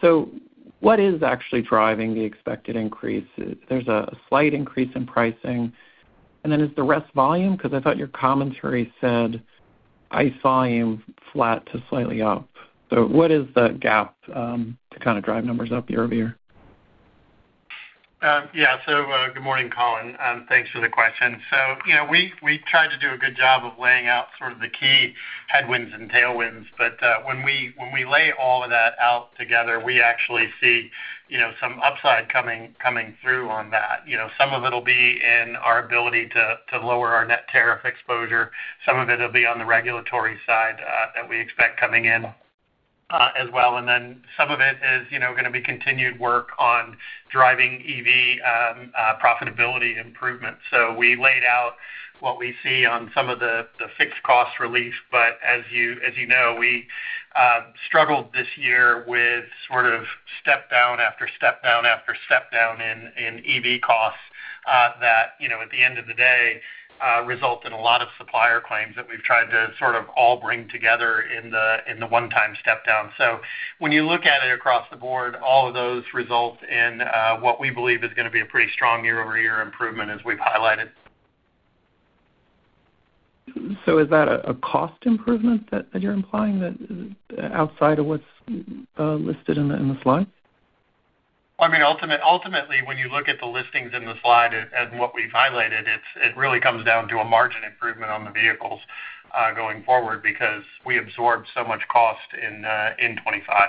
So what is actually driving the expected increase? There's a slight increase in pricing. And then is the rest volume? Because I thought your commentary said ICE volume flat to slightly up. So what is the gap to kind of drive numbers up year-over-year? Yeah. So good morning, Colin. Thanks for the question. So we tried to do a good job of laying out sort of the key headwinds and tailwinds. But when we lay all of that out together, we actually see some upside coming through on that. Some of it will be in our ability to lower our net tariff exposure. Some of it will be on the regulatory side that we expect coming in as well. And then some of it is going to be continued work on driving EV profitability improvements. So we laid out what we see on some of the fixed cost relief. But as you know, we struggled this year with sort of step down after step down after step down in EV costs that, at the end of the day, result in a lot of supplier claims that we've tried to sort of all bring together in the one-time step down. So when you look at it across the board, all of those result in what we believe is going to be a pretty strong year-over-year improvement, as we've highlighted. So is that a cost improvement that you're implying outside of what's listed in the slide? I mean, ultimately, when you look at the listings in the slide and what we've highlighted, it really comes down to a margin improvement on the vehicles going forward because we absorbed so much cost in 2025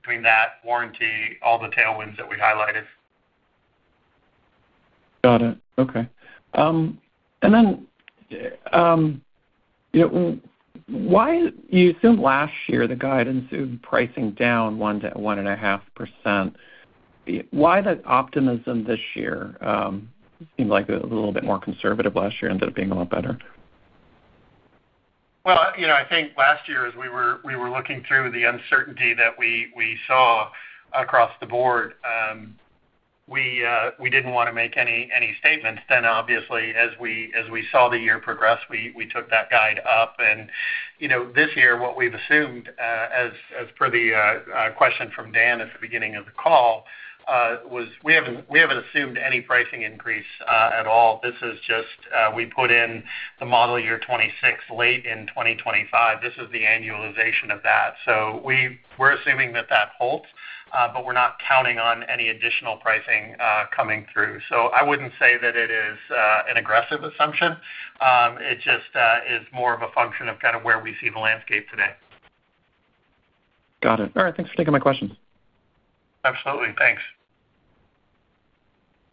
between that warranty, all the tailwinds that we highlighted. Got it. Okay. And then you assumed last year the guidance of pricing down 1%-1.5%. Why that optimism this year? It seemed like a little bit more conservative. Last year ended up being a lot better. Well, I think last year, as we were looking through the uncertainty that we saw across the board, we didn't want to make any statements. Then, obviously, as we saw the year progress, we took that guide up. And this year, what we've assumed, as per the question from Dan at the beginning of the call, was we haven't assumed any pricing increase at all. This is just we put in the model year 2026 late in 2025. This is the annualization of that. So we're assuming that that holds, but we're not counting on any additional pricing coming through. So I wouldn't say that it is an aggressive assumption. It just is more of a function of kind of where we see the landscape today. Got it. All right. Thanks for taking my questions. Absolutely. Thanks.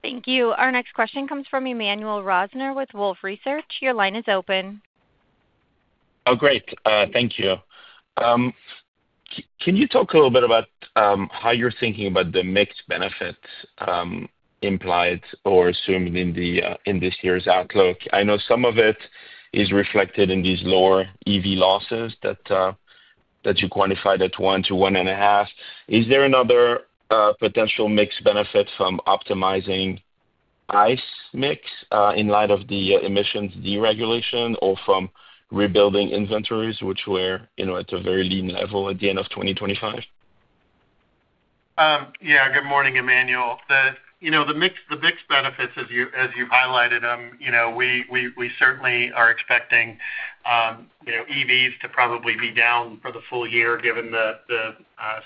Thank you. Our next question comes from Emmanuel Rosner with Wolfe Research. Your line is open. Oh, great. Thank you. Can you talk a little bit about how you're thinking about the mixed benefits implied or assumed in this year's outlook? I know some of it is reflected in these lower EV losses that you quantified at 1-1.5. Is there another potential mixed benefit from optimizing ICE mix in light of the emissions deregulation or from rebuilding inventories, which were at a very lean level at the end of 2025? Yeah. Good morning, Emmanuel. The mixed benefits, as you highlighted them, we certainly are expecting EVs to probably be down for the full year given the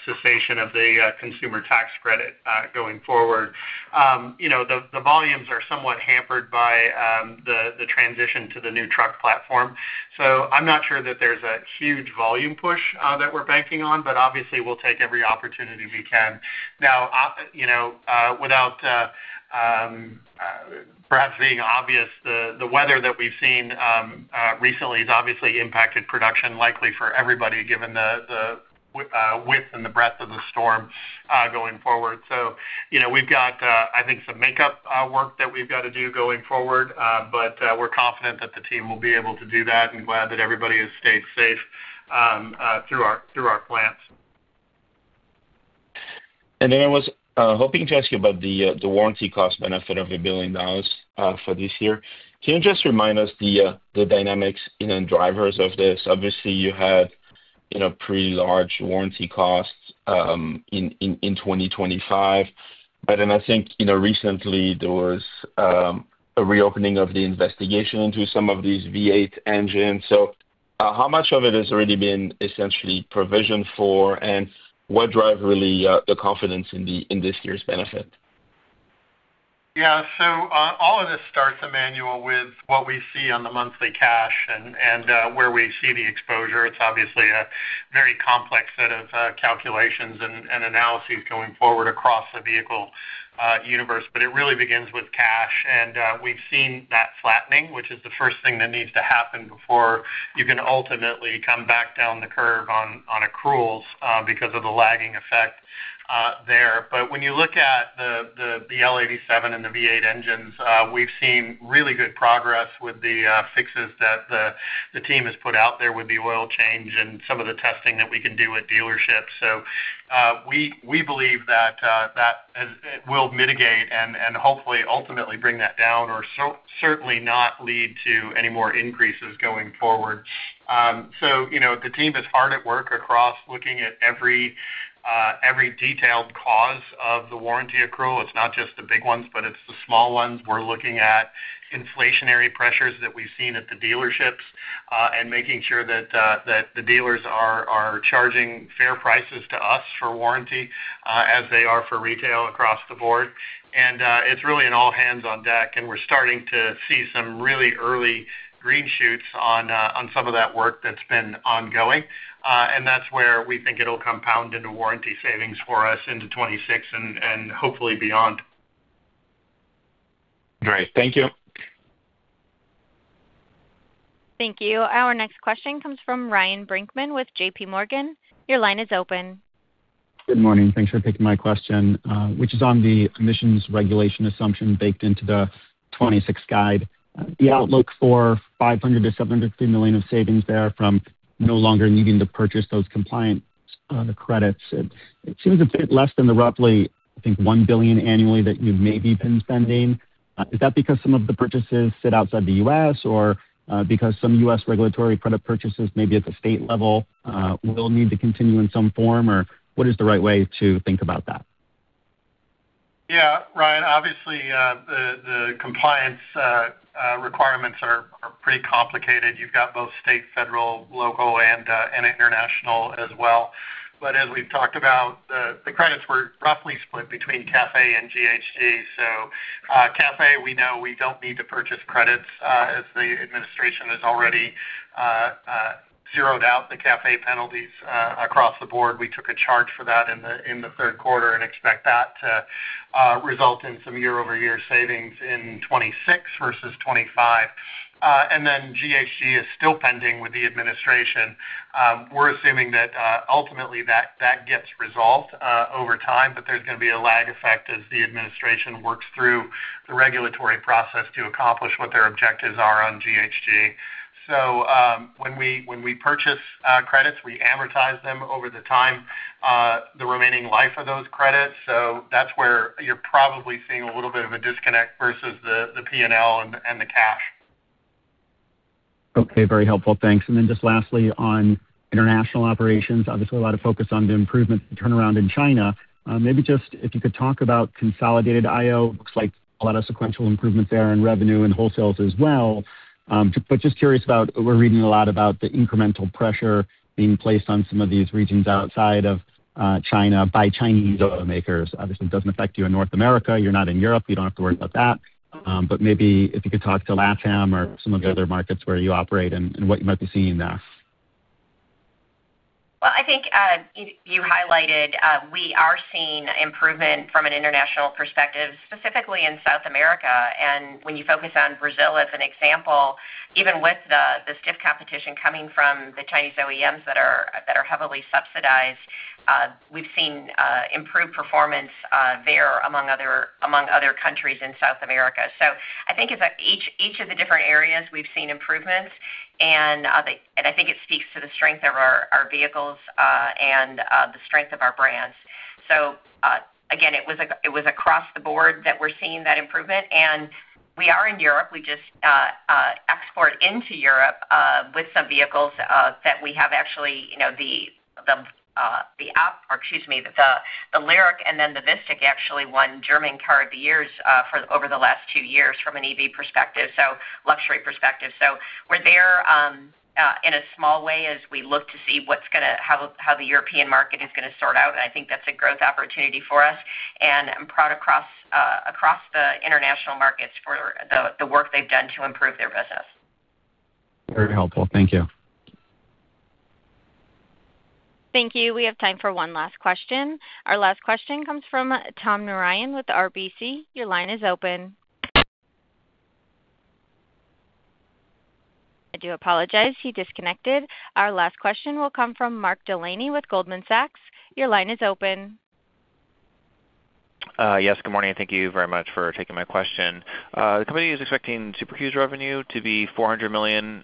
cessation of the consumer tax credit going forward. The volumes are somewhat hampered by the transition to the new truck platform. So I'm not sure that there's a huge volume push that we're banking on, but obviously, we'll take every opportunity we can. Now, without perhaps being obvious, the weather that we've seen recently has obviously impacted production, likely for everybody, given the width and the breadth of the storm going forward. So we've got, I think, some makeup work that we've got to do going forward, but we're confident that the team will be able to do that and glad that everybody has stayed safe through our plants. And then I was hoping to ask you about the warranty cost benefit of $1 billion for this year. Can you just remind us the dynamics and drivers of this? Obviously, you had pretty large warranty costs in 2025. But then I think recently, there was a reopening of the investigation into some of these V8 engines. So how much of it has already been essentially provisioned for, and what drives really the confidence in this year's benefit? Yeah. So all of this starts, Emmanuel, with what we see on the monthly cash and where we see the exposure. It's obviously a very complex set of calculations and analyses going forward across the vehicle universe, but it really begins with cash. And we've seen that flattening, which is the first thing that needs to happen before you can ultimately come back down the curve on accruals because of the lagging effect there. But when you look at the BL87 and the V8 engines, we've seen really good progress with the fixes that the team has put out there with the oil change and some of the testing that we can do at dealerships. So we believe that that will mitigate and hopefully, ultimately, bring that down or certainly not lead to any more increases going forward. So the team is hard at work across looking at every detailed cause of the warranty accrual. It's not just the big ones, but it's the small ones. We're looking at inflationary pressures that we've seen at the dealerships and making sure that the dealers are charging fair prices to us for warranty as they are for retail across the board. And it's really an all-hands-on-deck, and we're starting to see some really early green shoots on some of that work that's been ongoing. And that's where we think it'll compound into warranty savings for us into 2026 and hopefully beyond. Great. Thank you. Thank you. Our next question comes from Ryan Brinkman with JPMorgan. Your line is open. Good morning. Thanks for taking my question, which is on the emissions regulation assumption baked into the 2026 guide. The outlook for $500 million-$750 million of savings there from no longer needing to purchase those compliance credits. It seems a bit less than the roughly, I think, $1 billion annually that you may be spending. Is that because some of the purchases sit outside the U.S. or because some U.S. regulatory credit purchases, maybe at the state level, will need to continue in some form? Or what is the right way to think about that? Yeah. Ryan, obviously, the compliance requirements are pretty complicated. You've got both state, federal, local, and international as well. But as we've talked about, the credits were roughly split between CAFE and GHG. So CAFE, we know we don't need to purchase credits as the administration has already zeroed out the CAFE penalties across the board. We took a charge for that in the third quarter and expect that to result in some year-over-year savings in 2026 versus 2025. Then GHG is still pending with the administration. We're assuming that ultimately that gets resolved over time, but there's going to be a lag effect as the administration works through the regulatory process to accomplish what their objectives are on GHG. So when we purchase credits, we amortize them over the remaining life of those credits. So that's where you're probably seeing a little bit of a disconnect versus the P&L and the cash. Okay. Very helpful. Thanks. Then just lastly, on international operations, obviously, a lot of focus on the improvement turnaround in China. Maybe just if you could talk about consolidated I/O. Looks like a lot of sequential improvements there in revenue and wholesales as well. But just curious about we're reading a lot about the incremental pressure being placed on some of these regions outside of China by Chinese automakers. Obviously, it doesn't affect you in North America. You're not in Europe. You don't have to worry about that. But maybe if you could talk to Latin America or some of the other markets where you operate and what you might be seeing there. Well, I think you highlighted we are seeing improvement from an international perspective, specifically in South America. And when you focus on Brazil as an example, even with the stiff competition coming from the Chinese OEMs that are heavily subsidized, we've seen improved performance there among other countries in South America. So I think each of the different areas, we've seen improvements. And I think it speaks to the strength of our vehicles and the strength of our brands. So again, it was across the board that we're seeing that improvement. We are in Europe. We just export into Europe with some vehicles that we have, the LYRIQ, and then the VISTIQ actually won German Car of the Year over the last two years from an EV perspective, so luxury perspective. So we're there in a small way as we look to see how the European market is going to sort out. I think that's a growth opportunity for us. I'm proud across the international markets for the work they've done to improve their business. Very helpful. Thank you. Thank you. We have time for one last question. Our last question comes from Tom Narayan with RBC. Your line is open. I do apologize. He disconnected. Our last question will come from Mark Delaney with Goldman Sachs. Your line is open. Yes. Good morning. Thank you very much for taking my question. The company is expecting Super Cruise revenue to be $426 million,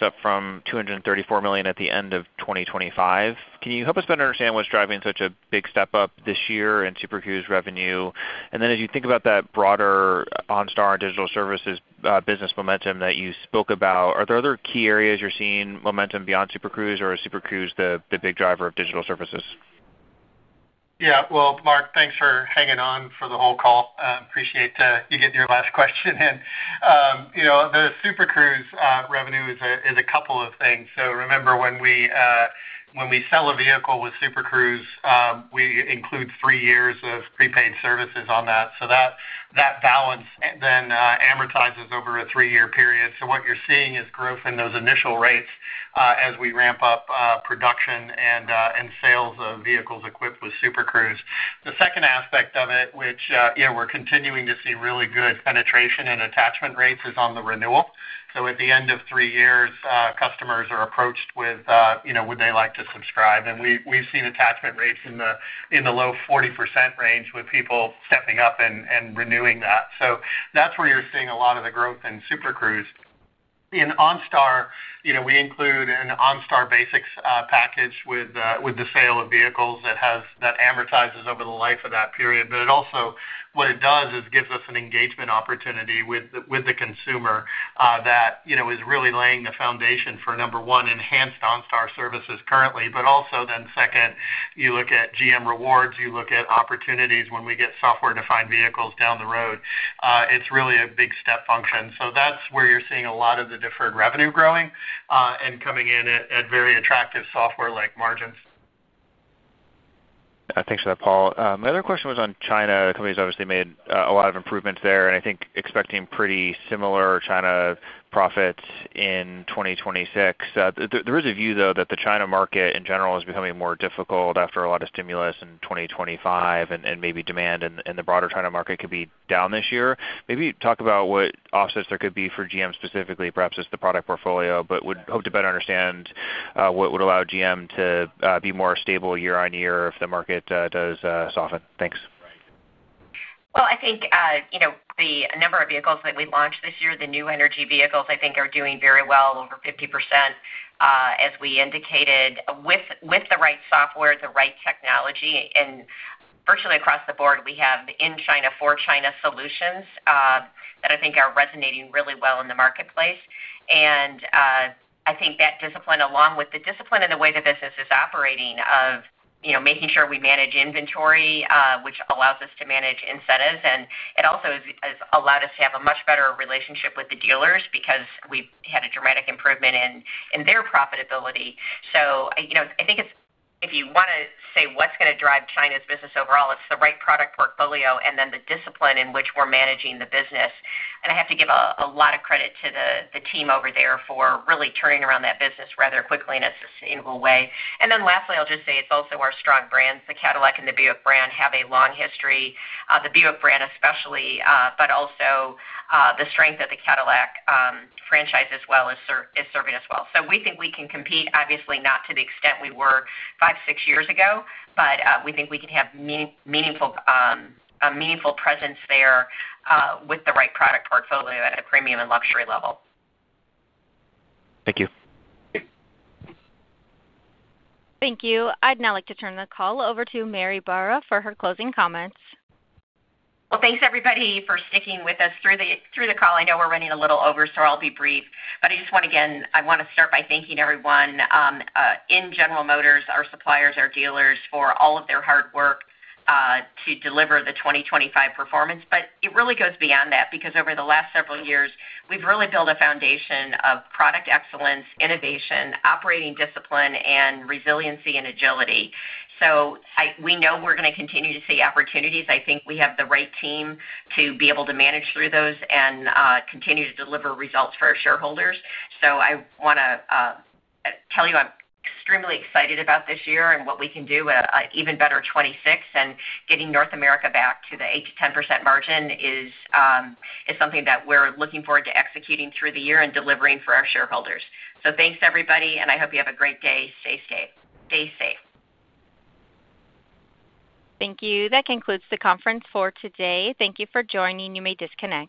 up from $234 million at the end of 2025. Can you help us better understand what's driving such a big step up this year in Super Cruise revenue? And then as you think about that broader OnStar digital services business momentum that you spoke about, are there other key areas you're seeing momentum beyond Super Cruise, or is Super Cruise the big driver of digital services? Yeah. Well, Mark, thanks for hanging on for the whole call. Appreciate you getting your last question in. The Super Cruise revenue is a couple of things. So remember, when we sell a vehicle with Super Cruise, we include three years of prepaid services on that. So that balance then amortizes over a three-year period. So what you're seeing is growth in those initial rates as we ramp up production and sales of vehicles equipped with Super Cruise. The second aspect of it, which we're continuing to see really good penetration and attachment rates, is on the renewal. So at the end of three years, customers are approached with, "Would they like to subscribe?" And we've seen attachment rates in the low 40% range with people stepping up and renewing that. So that's where you're seeing a lot of the growth in Super Cruise. In OnStar, we include an OnStar basics package with the sale of vehicles that amortizes over the life of that period. But also what it does is gives us an engagement opportunity with the consumer that is really laying the foundation for, number one, enhanced OnStar services currently. But also then, second, you look at GM Rewards, you look at opportunities when we get software-defined vehicles down the road. It's really a big step function. So that's where you're seeing a lot of the deferred revenue growing and coming in at very attractive software-like margins. Thanks for that, Paul. My other question was on China. The company has obviously made a lot of improvements there, and I think expecting pretty similar China profits in 2026. There is a view, though, that the China market in general is becoming more difficult after a lot of stimulus in 2025, and maybe demand in the broader China market could be down this year. Maybe talk about what offsets there could be for GM specifically, perhaps just the product portfolio, but would hope to better understand what would allow GM to be more stable year on year if the market does soften. Thanks. Well, I think the number of vehicles that we launched this year, the new energy vehicles, I think are doing very well, over 50%, as we indicated, with the right software, the right technology. And virtually across the board, we have in China for China solutions that I think are resonating really well in the marketplace. And I think that discipline, along with the discipline in the way the business is operating, of making sure we manage inventory, which allows us to manage incentives. And it also has allowed us to have a much better relationship with the dealers because we've had a dramatic improvement in their profitability. So I think if you want to say what's going to drive China's business overall, it's the right product portfolio and then the discipline in which we're managing the business. I have to give a lot of credit to the team over there for really turning around that business rather quickly in a sustainable way. Then lastly, I'll just say it's also our strong brands. The Cadillac and the Buick brand have a long history, the Buick brand especially, but also the strength that the Cadillac franchise as well is serving as well. So we think we can compete, obviously, not to the extent we were five, six years ago, but we think we can have a meaningful presence there with the right product portfolio at a premium and luxury level. Thank you. Thank you. I'd now like to turn the call over to Mary Barra for her closing comments. Well, thanks, everybody, for sticking with us through the call. I know we're running a little over, so I'll be brief. But I just want to again, I want to start by thanking everyone in General Motors, our suppliers, our dealers for all of their hard work to deliver the 2025 performance. It really goes beyond that because over the last several years, we've really built a foundation of product excellence, innovation, operating discipline, and resiliency and agility. We know we're going to continue to see opportunities. I think we have the right team to be able to manage through those and continue to deliver results for our shareholders. I want to tell you I'm extremely excited about this year and what we can do with an even better 2026. Getting North America back to the 8%-10% margin is something that we're looking forward to executing through the year and delivering for our shareholders. Thanks, everybody, and I hope you have a great day. Stay safe. Thank you. That concludes the conference for today. Thank you for joining. You may disconnect.